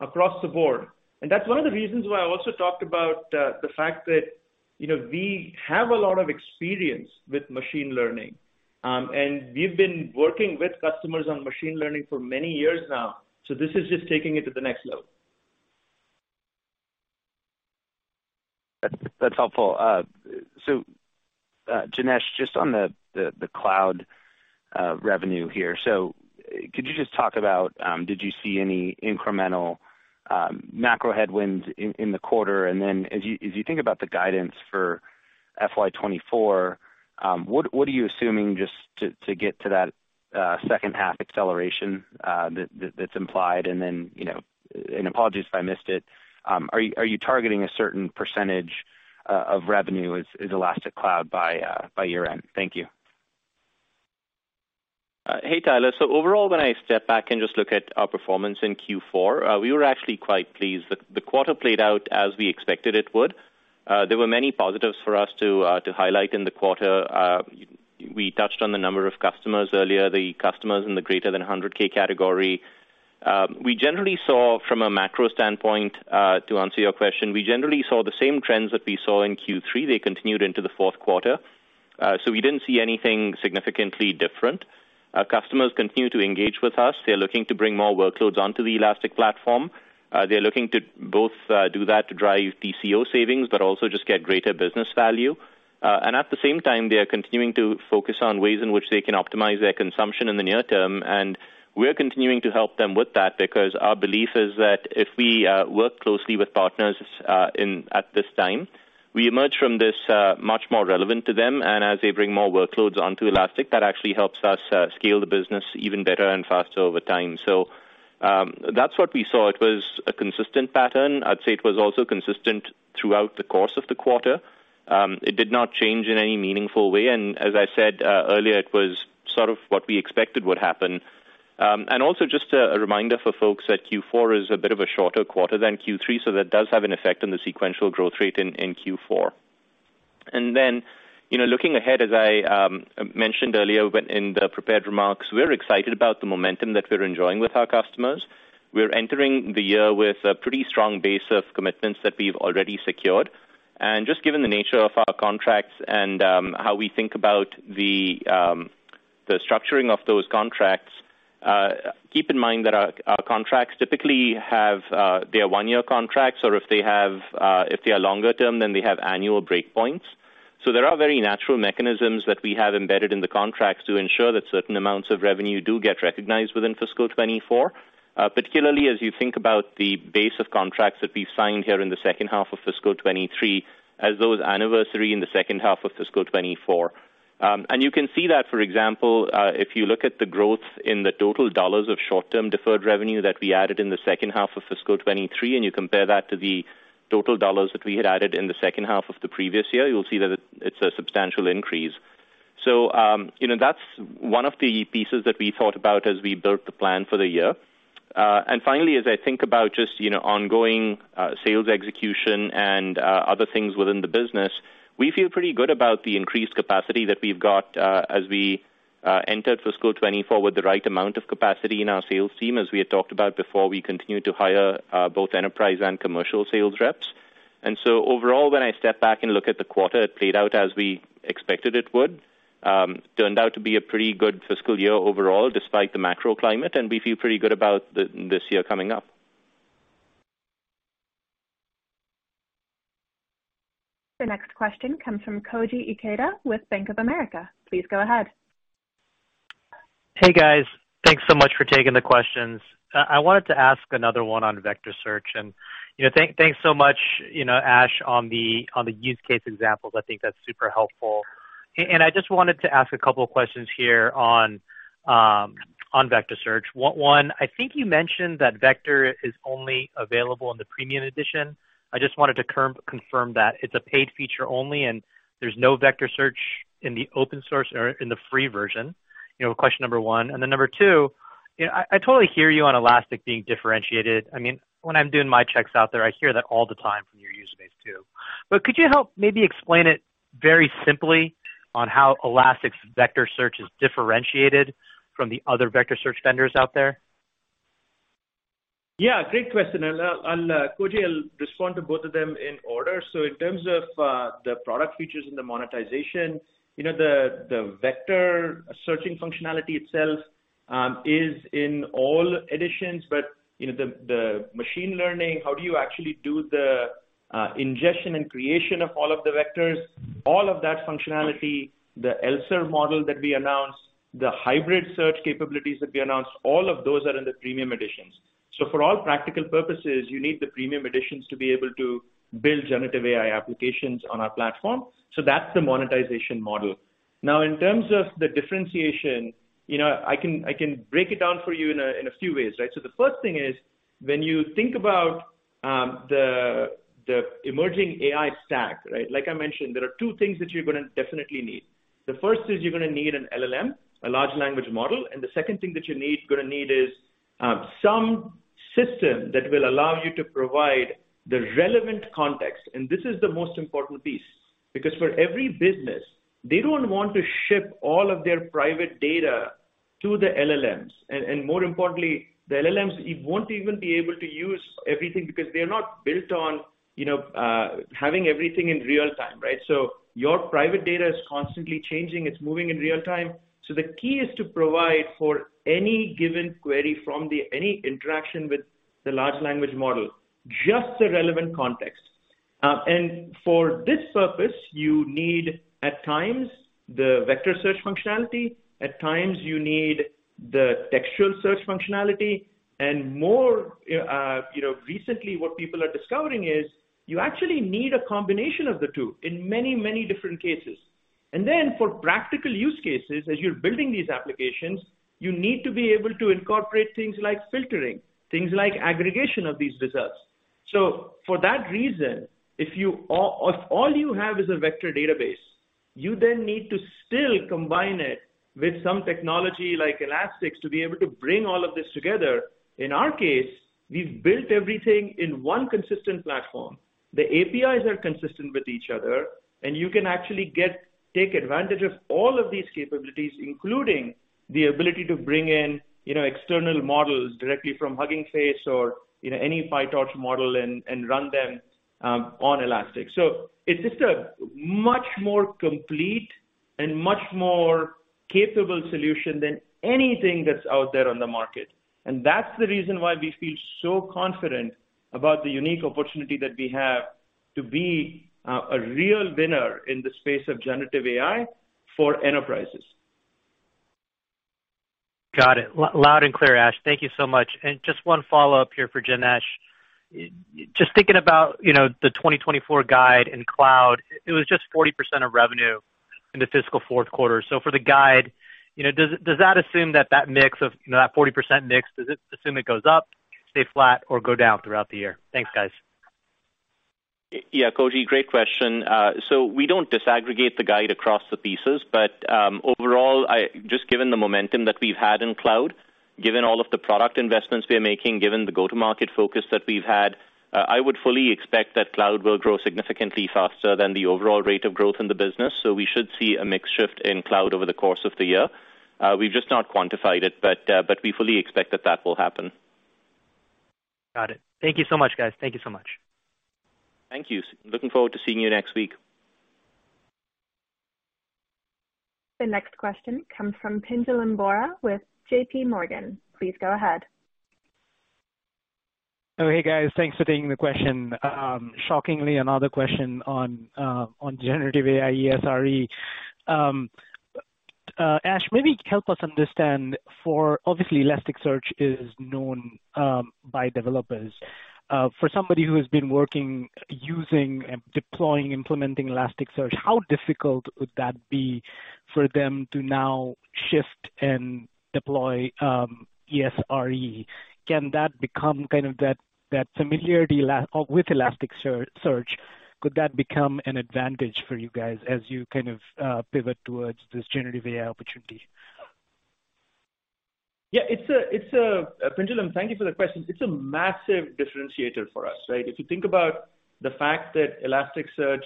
across the board. That's one of the reasons why I also talked about the fact that, you know, we have a lot of experience with machine learning. We've been working with customers on machine learning for many years now, so this is just taking it to the next level. That's helpful. Janesh, just on the cloud revenue here. Could you just talk about, did you see any incremental macro headwinds in the quarter? As you think about the guidance for FY 2024, what are you assuming just to get to that second half acceleration that's implied? You know, apologies if I missed it, are you targeting a certain percentage of revenue as Elastic Cloud by year-end? Thank you. Hey, Tyler. Overall, when I step back and just look at our performance in Q4, we were actually quite pleased that the quarter played out as we expected it would. There were many positives for us to highlight in the quarter. We touched on the number of customers earlier, the customers in the greater than 100K category. We generally saw from a macro standpoint, to answer your question, we generally saw the same trends that we saw in Q3. They continued into the Q4, so we didn't see anything significantly different. Our customers continue to engage with us. They're looking to bring more workloads onto the Elastic platform. They're looking to both do that to drive TCO savings, but also just get greater business value. At the same time, they are continuing to focus on ways in which they can optimize their consumption in the near term, and we're continuing to help them with that because our belief is that if we work closely with partners at this time, we emerge from this much more relevant to them, and as they bring more workloads onto Elastic, that actually helps us scale the business even better and faster over time. That's what we saw. It was a consistent pattern. I'd say it was also consistent throughout the course of the quarter. It did not change in any meaningful way, and as I said earlier, it was sort of what we expected would happen. Also just a reminder for folks that Q4 is a bit of a shorter quarter than Q3, so that does have an effect on the sequential growth rate in Q4. Then, you know, looking ahead, as I mentioned earlier when in the prepared remarks, we're excited about the momentum that we're enjoying with our customers. We're entering the year with a pretty strong base of commitments that we've already secured. Just given the nature of our contracts and how we think about the structuring of those contracts, keep in mind that our contracts typically have, they are one-year contracts, or if they have, if they are longer term, then they have annual breakpoints. There are very natural mechanisms that we have embedded in the contracts to ensure that certain amounts of revenue do get recognized within fiscal 2024, particularly as you think about the base of contracts that we signed here in the second half of fiscal 2023, as those anniversary in the second half of fiscal 2024. You can see that, for example, if you look at the growth in the total dollars of short-term deferred revenue that we added in the second half of fiscal 2023, and you compare that to the total dollars that we had added in the second half of the previous year, you'll see that it's a substantial increase. You know, that's one of the pieces that we thought about as we built the plan for the year. Finally, as I think about just, you know, ongoing sales execution and other things within the business, we feel pretty good about the increased capacity that we've got, as we entered fiscal 2024 with the right amount of capacity in our sales team. As we had talked about before, we continue to hire both enterprise and commercial sales reps. Overall, when I step back and look at the quarter, it played out as we expected it would. Turned out to be a pretty good fiscal year overall, despite the macro climate, and we feel pretty good about the, this year coming up. The next question comes from Koji Ikeda with Bank of America. Please go ahead. Hey, guys. Thanks so much for taking the questions. I wanted to ask another one on vector search, you know, thanks so much, you know, Ash, on the, on the use case examples. I think that's super helpful. I just wanted to ask a couple of questions here on vector search. One, I think you mentioned that vector is only available in the premium edition. I just wanted to confirm that it's a paid feature only, there's no vector search in the open source or in the free version. You know, question number one, number two, you know, I totally hear you on Elastic being differentiated. I mean, when I'm doing my checks out there, I hear that all the time from your user base, too. Could you help maybe explain it very simply on how Elastic's vector search is differentiated from the other vector search vendors out there? Yeah, great question. Koji, I'll respond to both of them in order. In terms of the product features and the monetization, you know, the vector searching functionality itself is in all editions, but, you know, the machine learning, how do you actually do the ingestion and creation of all of the vectors, all of that functionality, the ELSER model that we announced, the hybrid search capabilities that we announced, all of those are in the premium editions. For all practical purposes, you need the premium editions to be able to build generative AI applications on our platform. That's the monetization model. Now, in terms of the differentiation, you know, I can break it down for you in a few ways, right? The first thing is, when you think about, the emerging AI stack, right, like I mentioned, there are two things that you're gonna definitely need. The first is you're gonna need an LLM, a large language model, and the second thing that you need, gonna need some system that will allow you to provide the relevant context, and this is the most important piece. Because for every business, they don't want to ship all of their private data to the LLMs, and more importantly, the LLMs won't even be able to use everything because they're not built on, you know, having everything in real time, right? Your private data is constantly changing. It's moving in real time. The key is to provide for any given query any interaction with the large language model, just the relevant context. For this purpose, you need, at times, the vector search functionality, at times you need the textual search functionality, and more, you know, recently, what people are discovering is you actually need a combination of the two in many, many different cases. For practical use cases, as you're building these applications, you need to be able to incorporate things like filtering, things like aggregation of these results. For that reason, if all you have is a vector database, you then need to still combine it with some technology like Elastic's to be able to bring all of this together. In our case, we've built everything in one consistent platform. The APIs are consistent with each other. You can actually take advantage of all of these capabilities, including the ability to bring in, you know, external models directly from Hugging Face or, you know, any PyTorch model and run them on Elastic. It's just a much more complete and much more capable solution than anything that's out there on the market. That's the reason why we feel so confident about the unique opportunity that we have to be a real winner in the space of generative AI for enterprises. Got it. Loud and clear, Ash. Thank you so much. Just one follow-up here for Janesh. Just thinking about, you know, the 2024 guide in cloud, it was just 40% of revenue in the fiscal Q4. For the guide, you know, does that assume that mix of, you know, that 40% mix, does it assume it goes up, stay flat, or go down throughout the year? Thanks, guys. Koji, great question. We don't disaggregate the guide across the pieces. Overall, just given the momentum that we've had in Cloud, given all of the product investments we are making, given the go-to-market focus that we've had, I would fully expect that Cloud will grow significantly faster than the overall rate of growth in the business. We should see a mix shift in Cloud over the course of the year. We've just not quantified it. We fully expect that will happen. Got it. Thank you so much, guys. Thank you so much. Thank you. Looking forward to seeing you next week. The next question comes from Pinjalim Bora with JPMorgan. Please go ahead. Oh, hey, guys. Thanks for taking the question. Shockingly, another question on generative AI, ESRE. Ash, maybe help us understand obviously, Elasticsearch is known by developers. For somebody who has been working, using, and deploying, implementing Elasticsearch, how difficult would that be for them to now shift and deploy ESRE? Can that become kind of that familiarity or with Elasticsearch, could that become an advantage for you guys as you kind of pivot towards this generative AI opportunity? Yeah, Pinjalim, thank you for the question. It's a massive differentiator for us, right? If you think about the fact that Elasticsearch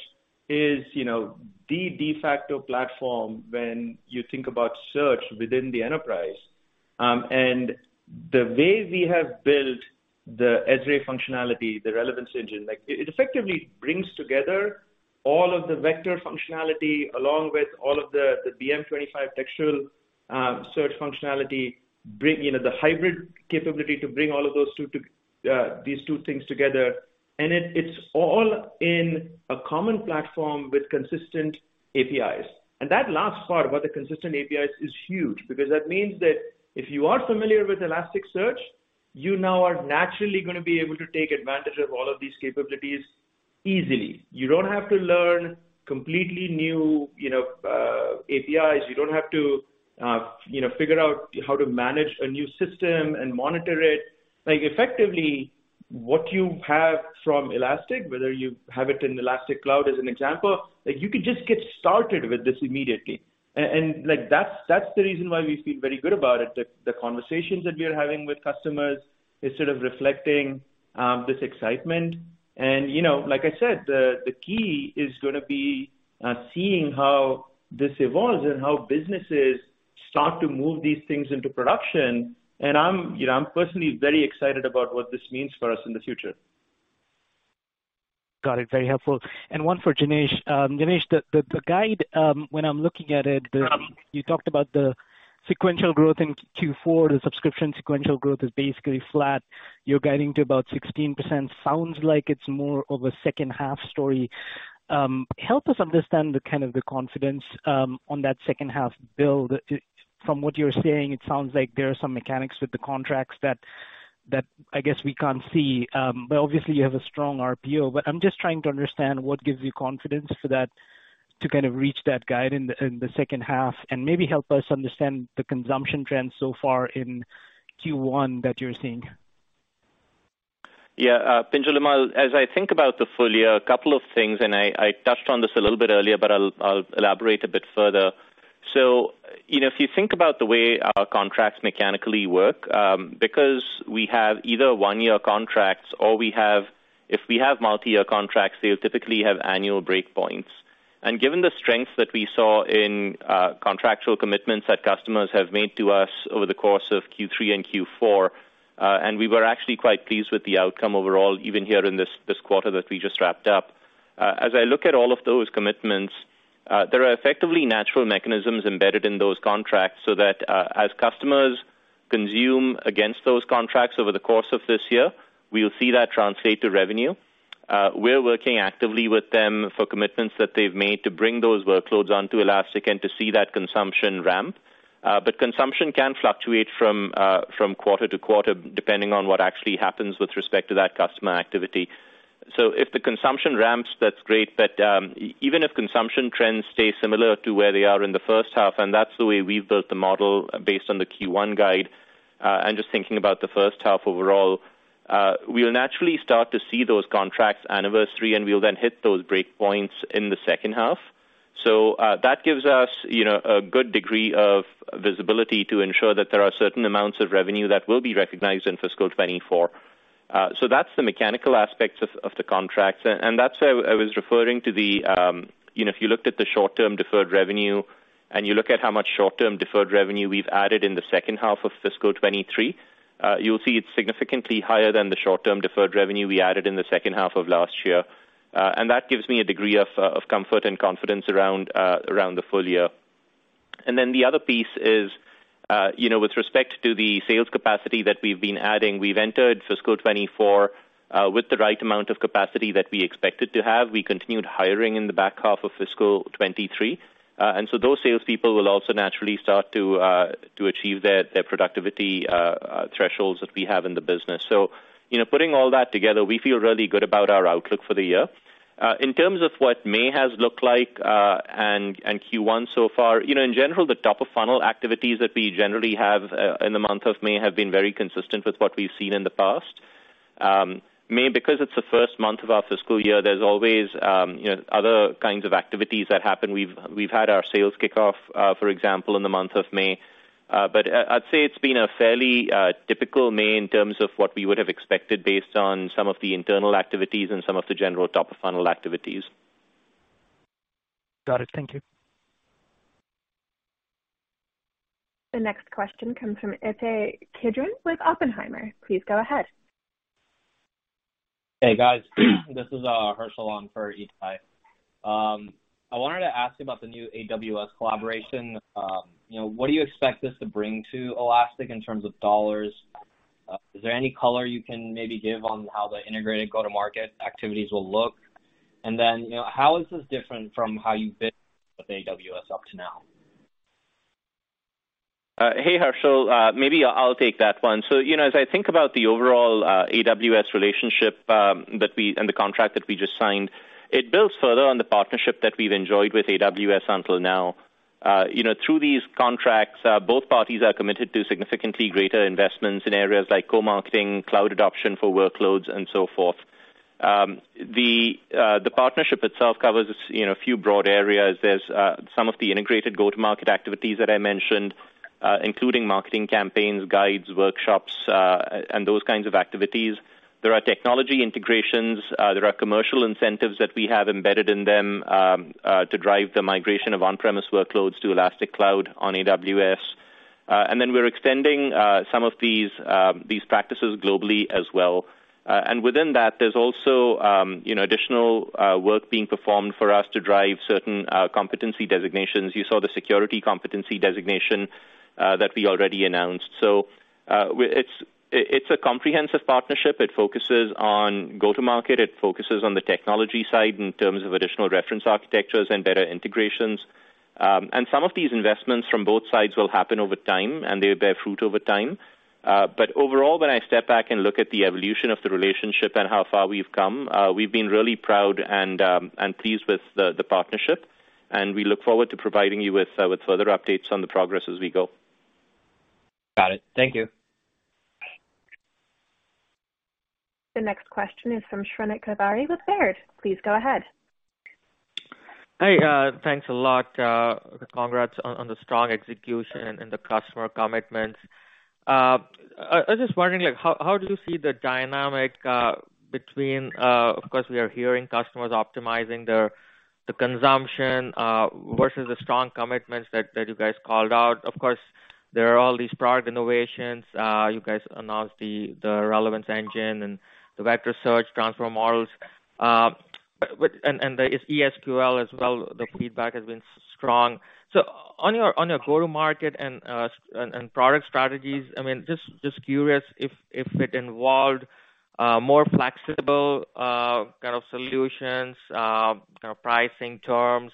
is, you know, the de facto platform when you think about search within the enterprise, and the way we have built the ESRE functionality, the relevance engine, like, it effectively brings together all of the vector functionality along with all of the BM25 textual search functionality, bring, you know, the hybrid capability to bring all of those two to these two things together, and it's all in a common platform with consistent APIs. And that last part about the consistent APIs is huge, because that means that if you are familiar with Elasticsearch, you now are naturally gonna be able to take advantage of all of these capabilities easily. You don't have to learn completely new, you know, APIs. You don't have to, you know, figure out how to manage a new system and monitor it. Like, effectively, what you have from Elastic, whether you have it in Elastic Cloud as an example, like, you could just get started with this immediately. Like, that's the reason why we feel very good about it. The conversations that we are having with customers is sort of reflecting, this excitement. You know, like I said, the key is gonna be, seeing how this evolves and how businesses start to move these things into production. I'm, you know, I'm personally very excited about what this means for us in the future. Got it. Very helpful. One for Janesh. Janesh, the guide, when I'm looking at it. Um. you talked about the sequential growth in Q4, the subscription sequential growth is basically flat. You're guiding to about 16%. Sounds like it's more of a second-half story. Help us understand the kind of the confidence on that second half build. It, from what you're saying, it sounds like there are some mechanics with the contracts that I guess we can't see. Obviously, you have a strong RPO. I'm just trying to understand what gives you confidence for that to kind of reach that guide in the second half, and maybe help us understand the consumption trends so far in Q1 that you're seeing? Pinjalim, as I think about the full year, a couple of things, I touched on this a little bit earlier, but I'll elaborate a bit further. You know, if you think about the way our contracts mechanically work, because we have either one-year contracts or If we have multi-year contracts, they'll typically have annual breakpoints. Given the strength that we saw in contractual commitments that customers have made to us over the course of Q3 and Q4, we were actually quite pleased with the outcome overall, even here in this quarter that we just wrapped up. As I look at all of those commitments, there are effectively natural mechanisms embedded in those contracts, so that as customers consume against those contracts over the course of this year, we will see that translate to revenue. We're working actively with them for commitments that they've made to bring those workloads onto Elastic and to see that consumption ramp. But consumption can fluctuate from quarter-to-quarter, depending on what actually happens with respect to that customer activity. If the consumption ramps, that's great. Even if consumption trends stay similar to where they are in the first half, and that's the way we've built the model based on the Q1 guide, and just thinking about the first half overall, we'll naturally start to see those contracts anniversary, and we'll then hit those breakpoints in the second half. That gives us, you know, a good degree of visibility to ensure that there are certain amounts of revenue that will be recognized in fiscal 2024. That's the mechanical aspects of the contracts, and that's why I was referring to the... You know, if you looked at the short-term deferred revenue and you look at how much short-term deferred revenue we've added in the second half of fiscal 2023, you'll see it's significantly higher than the short-term deferred revenue we added in the second half of last year. That gives me a degree of comfort and confidence around the full year. The other piece is, you know, with respect to the sales capacity that we've been adding, we've entered fiscal 2024 with the right amount of capacity that we expected to have. We continued hiring in the back half of fiscal 23, those salespeople will also naturally start to achieve their productivity thresholds that we have in the business. You know, putting all that together, we feel really good about our outlook for the year. In terms of what May has looked like, and Q1 so far, you know, in general, the top-of-funnel activities that we generally have in the month of May have been very consistent with what we've seen in the past. May, because it's the first month of our fiscal year, there's always, you know, other kinds of activities that happen. We've had our sales kickoff, for example, in the month of May. I'd say it's been a fairly typical May in terms of what we would have expected based on some of the internal activities and some of the general top-of-funnel activities. Got it. Thank you. The next question comes from Ittai Kidron with Oppenheimer. Please go ahead. Hey, guys. This is Harshil on for Ittai. I wanted to ask you about the new AWS collaboration. You know, what do you expect this to bring to Elastic in terms of dollars? Is there any color you can maybe give on how the integrated go-to-market activities will look? You know, how is this different from how you've been with AWS up to now? Hey, Harshil, maybe I'll take that one. You know, as I think about the overall AWS relationship, and the contract that we just signed, it builds further on the partnership that we've enjoyed with AWS until now. You know, through these contracts, both parties are committed to significantly greater investments in areas like co-marketing, cloud adoption for workloads, and so forth. The partnership itself covers, you know, a few broad areas. There's some of the integrated go-to-market activities that I mentioned, including marketing campaigns, guides, workshops, and those kinds of activities. There are technology integrations, there are commercial incentives that we have embedded in them to drive the migration of on-premise workloads to Elastic Cloud on AWS. Then we're extending some of these practices globally as well. Within that, there's also, you know, additional work being performed for us to drive certain competency designations. You saw the security competency designation that we already announced. It's a comprehensive partnership. It focuses on go-to-market, it focuses on the technology side in terms of additional reference architectures and better integrations. Some of these investments from both sides will happen over time, and they bear fruit over time. Overall, when I step back and look at the evolution of the relationship and how far we've come, we've been really proud and pleased with the partnership, and we look forward to providing you with further updates on the progress as we go. Got it. Thank you. The next question is from Shrenik Kothari with Baird. Please go ahead. Hey, thanks a lot. Congrats on the strong execution and the customer commitments. I was just wondering, like, how do you see the dynamic between, of course, we are hearing customers optimizing their consumption versus the strong commitments that you guys called out. Of course, there are all these product innovations. You guys announced the Relevance Engine and the vector search transformer models, but, and the ES|QL as well, the feedback has been strong. On your go-to-market and product strategies, I mean, just curious if it involved more flexible kind of solutions, kind of pricing terms,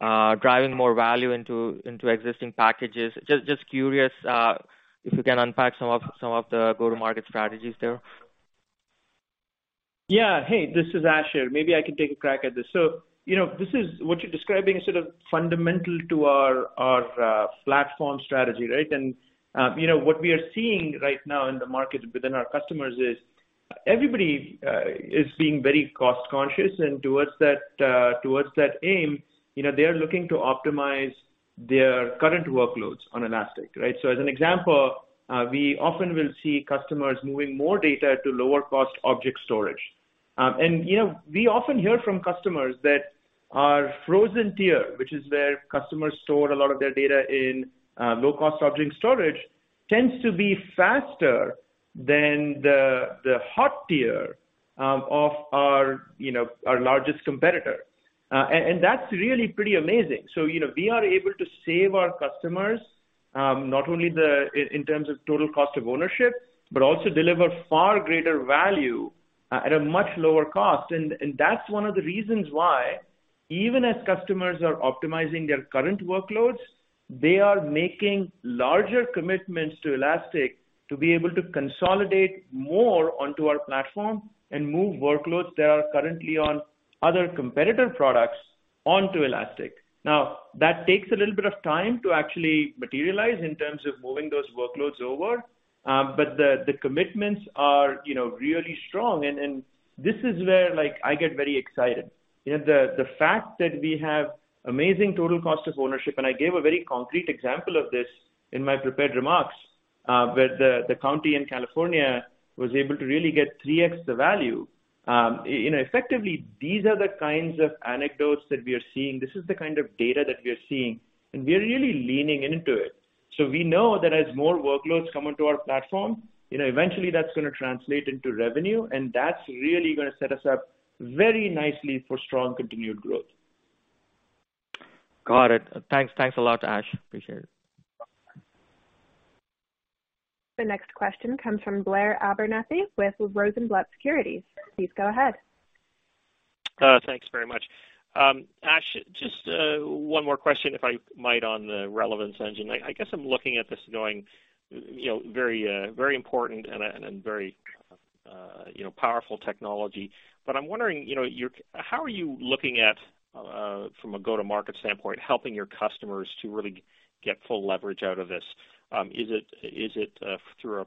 driving more value into existing packages. Just curious if you can unpack some of the go-to-market strategies there. Hey, this is Ash. Maybe I can take a crack at this. You know, this is what you're describing is sort of fundamental to our platform strategy, right? You know, what we are seeing right now in the market within our customers is everybody is being very cost conscious, and towards that aim, you know, they are looking to optimize their current workloads on Elastic, right? As an example, we often will see customers moving more data to lower-cost object storage. You know, we often hear from customers that our frozen tier, which is where customers store a lot of their data in low-cost object storage, tends to be faster than the hot tier of our, you know, our largest competitor. That's really pretty amazing. You know, we are able to save our customers, not only in terms of total cost of ownership, but also deliver far greater value at a much lower cost. That's one of the reasons even as customers are optimizing their current workloads, they are making larger commitments to Elastic to be able to consolidate more onto our platform and move workloads that are currently on other competitor products onto Elastic. That takes a little bit of time to actually materialize in terms of moving those workloads over, but the commitments are, you know, really strong, and this is where, like, I get very excited. You know, the fact that we have amazing total cost of ownership, and I gave a very concrete example of this in my prepared remarks, where the county in California was able to really get 3x the value. You know, effectively, these are the kinds of anecdotes that we are seeing. This is the kind of data that we are seeing, and we are really leaning into it. We know that as more workloads come onto our platform, you know, eventually that's gonna translate into revenue, and that's really gonna set us up very nicely for strong, continued growth. Got it. Thanks. Thanks a lot, Ash. Appreciate it. The next question comes from Blair Abernethy with Rosenblatt Securities. Please go ahead. Thanks very much. Ash, just one more question, if I might, on the Relevance Engine. I guess I'm looking at this going, you know, very, very important and very, you know, powerful technology. But I'm wondering, you know, how are you looking at, from a go-to-market standpoint, helping your customers to really get full leverage out of this? Is it, is it, through a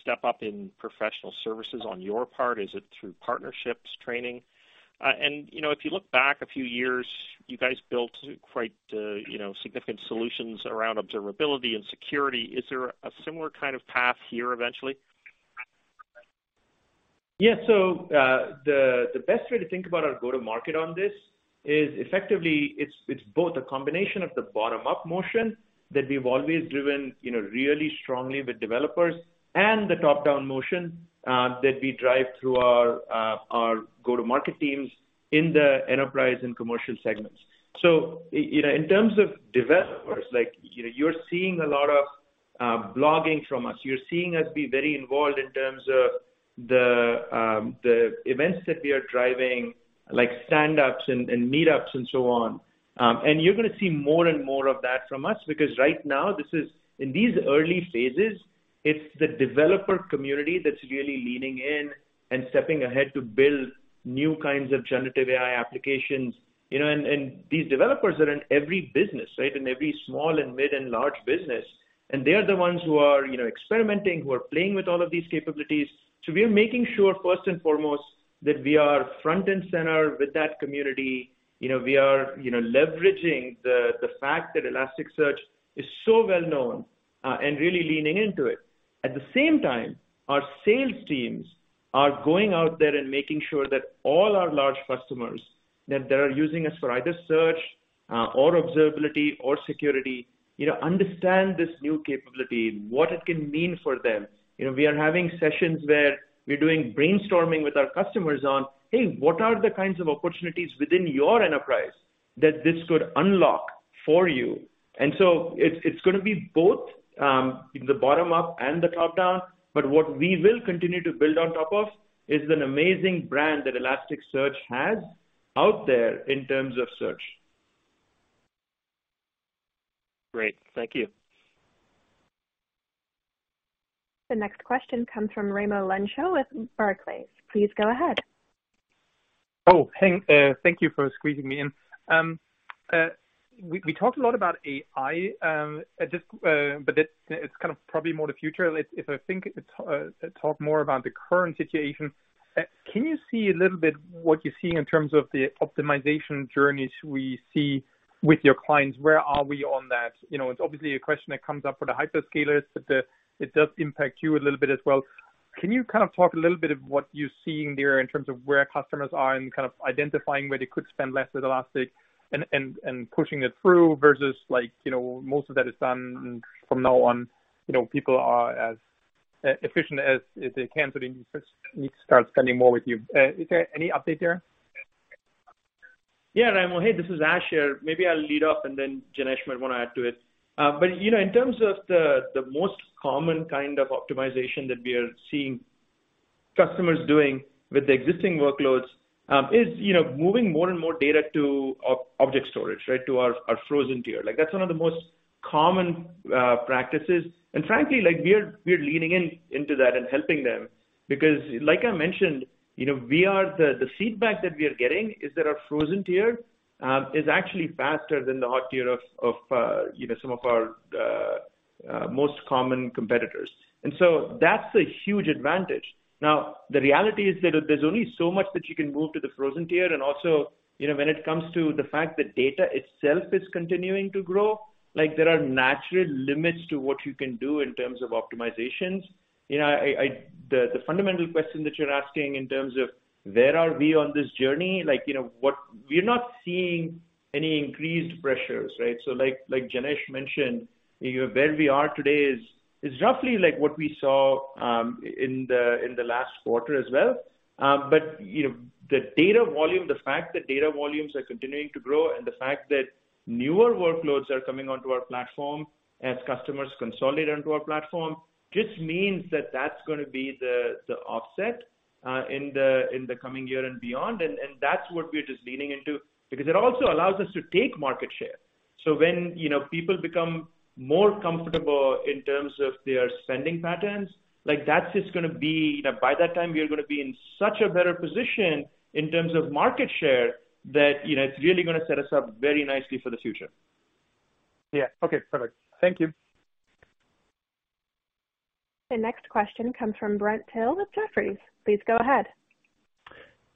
step up in professional services on your part? Is it through partnerships, training? You know, if you look back a few years, you guys built quite, you know, significant solutions around Observability and Security. Is there a similar kind of path here eventually? Yeah. The best way to think about our go-to-market on this is, effectively, it's both a combination of the bottom-up motion that we've always driven, you know, really strongly with developers, and the top-down motion that we drive through our go-to-market teams in the enterprise and commercial segments. You know, in terms of developers, like, you know, you're seeing a lot of blogging from us. You're seeing us be very involved in terms of the events that we are driving, like stand-ups and meetups and so on. You're gonna see more and more of that from us because right now, in these early phases, it's the developer community that's really leaning in and stepping ahead to build new kinds of generative AI applications, you know, and these developers are in every business, right? In every small and mid and large business, and they are the ones who are, you know, experimenting, who are playing with all of these capabilities. We are making sure, first and foremost, that we are front and center with that community. We are, you know, leveraging the fact that Elasticsearch is so well known and really leaning into it. At the same time, our sales teams are going out there and making sure that all our large customers, that they are using us for either search, or observability or security, you know, understand this new capability and what it can mean for them. You know, we are having sessions where we're doing brainstorming with our customers on, "Hey, what are the kinds of opportunities within your enterprise that this could unlock for you?" It's gonna be both the bottom up and the top down, but what we will continue to build on top of is an amazing brand that Elasticsearch has out there in terms of search. Great. Thank you. The next question comes from Raimo Lenschow with Barclays. Please go ahead. Thank you for squeezing me in. We talked a lot about AI, just, it's kind of probably more the future. If I think, talk more about the current situation, can you see a little bit what you're seeing in terms of the optimization journeys we see with your clients? Where are we on that? You know, it's obviously a question that comes up for the hyperscalers, it does impact you a little bit as well. Can you kind of talk a little bit of what you're seeing there in terms of where customers are and kind of identifying where they could spend less with Elastic and pushing it through, versus like, you know, most of that is done from now on, you know, people are as efficient as they can, so they need to start spending more with you. Is there any update there? Yeah, Raimo. Hey, this is Ash here. Maybe I'll lead off, and then Janesh might want to add to it. You know, in terms of the most common kind of optimization that we are seeing customers doing with the existing workloads, is, you know, moving more and more data to object storage, right? To our frozen tier. Like, that's one of the most common practices. Frankly, like we are leaning into that and helping them, because like I mentioned, you know, the feedback that we are getting is that our frozen tier is actually faster than the hot tier of, you know, some of our most common competitors. That's a huge advantage. The reality is that there's only so much that you can move to the frozen tier, and also, you know, when it comes to the fact that data itself is continuing to grow, like, there are natural limits to what you can do in terms of optimizations. You know, I. The fundamental question that you're asking in terms of where are we on this journey, like, you know, We're not seeing any increased pressures, right? Like Janesh mentioned, you know, where we are today is roughly like what we saw in the last quarter as well. You know, the data volume, the fact that data volumes are continuing to grow. The fact that newer workloads are coming onto our platform as customers consolidate onto our platform, just mean that's gonna be the offset in the coming year and beyond. That's what we're just leaning into, because it also allows us to take market share. When, you know, people become more comfortable in terms of their spending patterns, like, that's just. You know, by that time, we are gonna be in such a better position in terms of market share, that, you know, it's really gonna set us up very nicely for the future. Yeah. Okay, perfect. Thank you. The next question comes from Brent Thill with Jefferies. Please go ahead.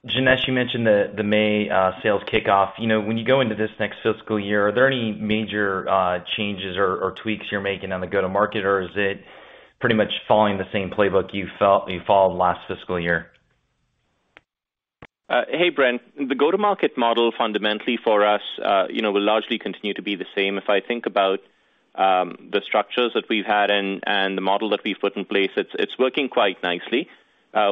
Janesh, you mentioned the May sales kickoff. You know, when you go into this next fiscal year, are there any major changes or tweaks you're making on the go-to-market, or is it pretty much following the same playbook you followed last fiscal year? Hey, Brent. The go-to-market model fundamentally for us, you know, will largely continue to be the same. If I think about the structures that we've had and the model that we've put in place, it's working quite nicely.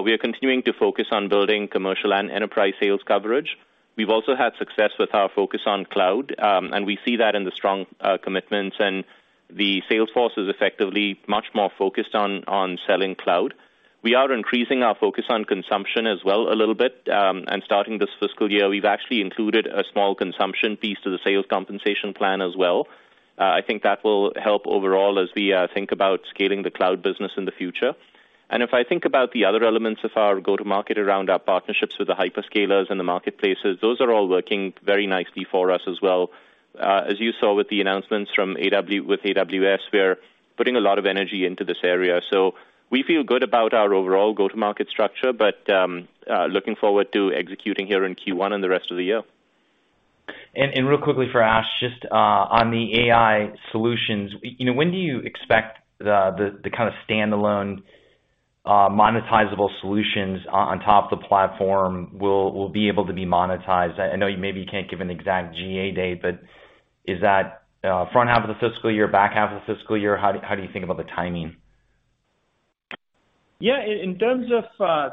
We are continuing to focus on building commercial and enterprise sales coverage. We've also had success with our focus on cloud, and we see that in the strong commitments, and the sales force is effectively much more focused on selling cloud. We are increasing our focus on consumption as well a little bit, and starting this fiscal year, we've actually included a small consumption piece to the sales compensation plan as well. I think that will help overall as we think about scaling the cloud business in the future. If I think about the other elements of our go-to-market around our partnerships with the hyperscalers and the marketplaces, those are all working very nicely for us as well. As you saw with the announcements from with AWS, we're putting a lot of energy into this area. We feel good about our overall go-to-market structure, but looking forward to executing here in Q1 and the rest of the year. Real quickly for Ash, just on the AI solutions, you know, when do you expect the kind of standalone, monetizable solutions on top of the platform will be able to be monetized? I know you maybe can't give an exact GA date, but is that front half of the fiscal year, back half of the fiscal year? How do you think about the timing? Yeah, in terms of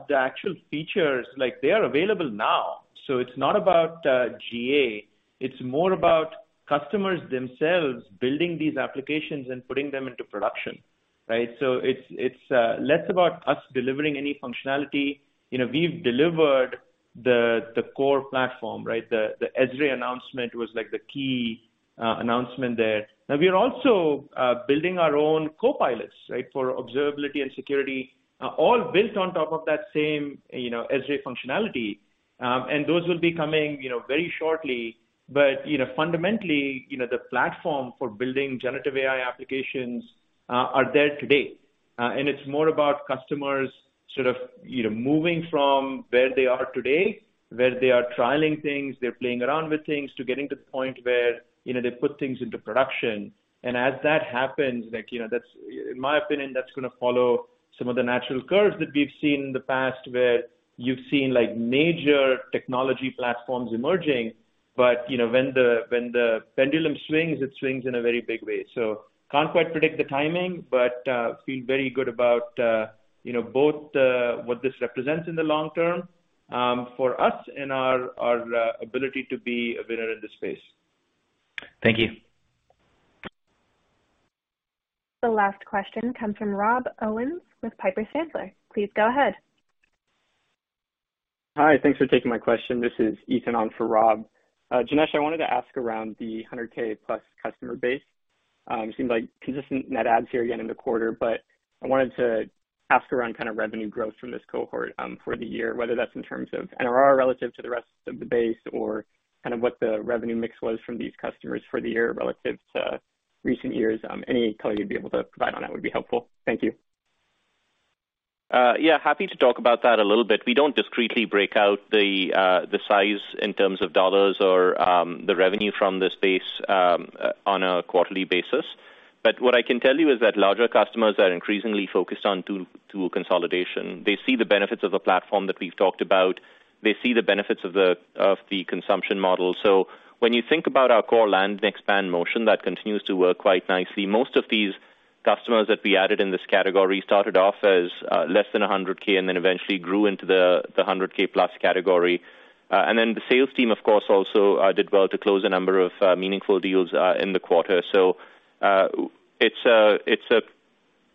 the actual features, like, they are available now, so it's not about GA, it's more about customers themselves building these applications and putting them into production, right? So it's less about us delivering any functionality. You know, we've delivered the core platform, right? The, the ESRE announcement was, like, the key announcement there. Now we are also building our own co-pilots, right, for observability and security, all built on top of that same, you know, ESRE functionality. And those will be coming, you know, very shortly. But, you know, fundamentally, you know, the platform for building generative AI applications are there today. It's more about customers sort of, you know, moving from where they are today, where they are trialing things, they're playing around with things, to getting to the point where, you know, they put things into production. As that happens, like, you know, that's. In my opinion, that's gonna follow some of the natural curves that we've seen in the past, where you've seen, like, major technology platforms emerging. You know, when the pendulum swings, it swings in a very big way. Can't quite predict the timing, but feel very good about, you know, both what this represents in the long term for us and our ability to be a winner in this space. Thank you. The last question comes from Rob Owens with Piper Sandler. Please go ahead. Hi, thanks for taking my question. This is Ethan on for Rob. Janesh, I wanted to ask around the 100K+ customer base. It seems like consistent net adds here again in the quarter, but I wanted to ask around kind of revenue growth from this cohort for the year, whether that's in terms of NRR relative to the rest of the base or kind of what the revenue mix was from these customers for the year relative to recent years. Any color you'd be able to provide on that would be helpful. Thank you. Yeah, happy to talk about that a little bit. We don't discreetly break out the size in terms of dollars or the revenue from this base on a quarterly basis. What I can tell you is that larger customers are increasingly focused on tool consolidation. They see the benefits of the platform that we've talked about. They see the benefits of the consumption model. When you think about our core land and expand motion, that continues to work quite nicely. Most of these customers that we added in this category started off as less than $100K and then eventually grew into the $100K plus category. Then the sales team, of course, also did well to close a number of meaningful deals in the quarter. It's a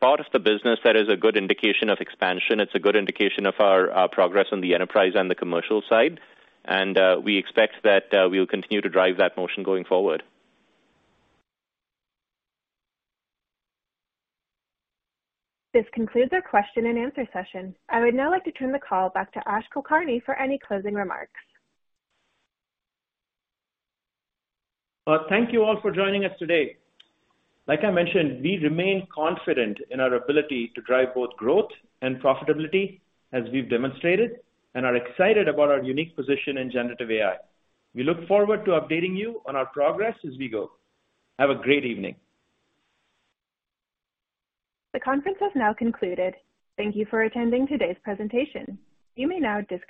part of the business that is a good indication of expansion. It's a good indication of our progress on the enterprise and the commercial side, we expect that we'll continue to drive that motion going forward. This concludes our question and answer session. I would now like to turn the call back to Ash Kulkarni for any closing remarks. Thank you all for joining us today. Like I mentioned, we remain confident in our ability to drive both growth and profitability as we've demonstrated, and are excited about our unique position in generative AI. We look forward to updating you on our progress as we go. Have a great evening. The conference has now concluded. Thank you for attending today's presentation. You may now disconnect.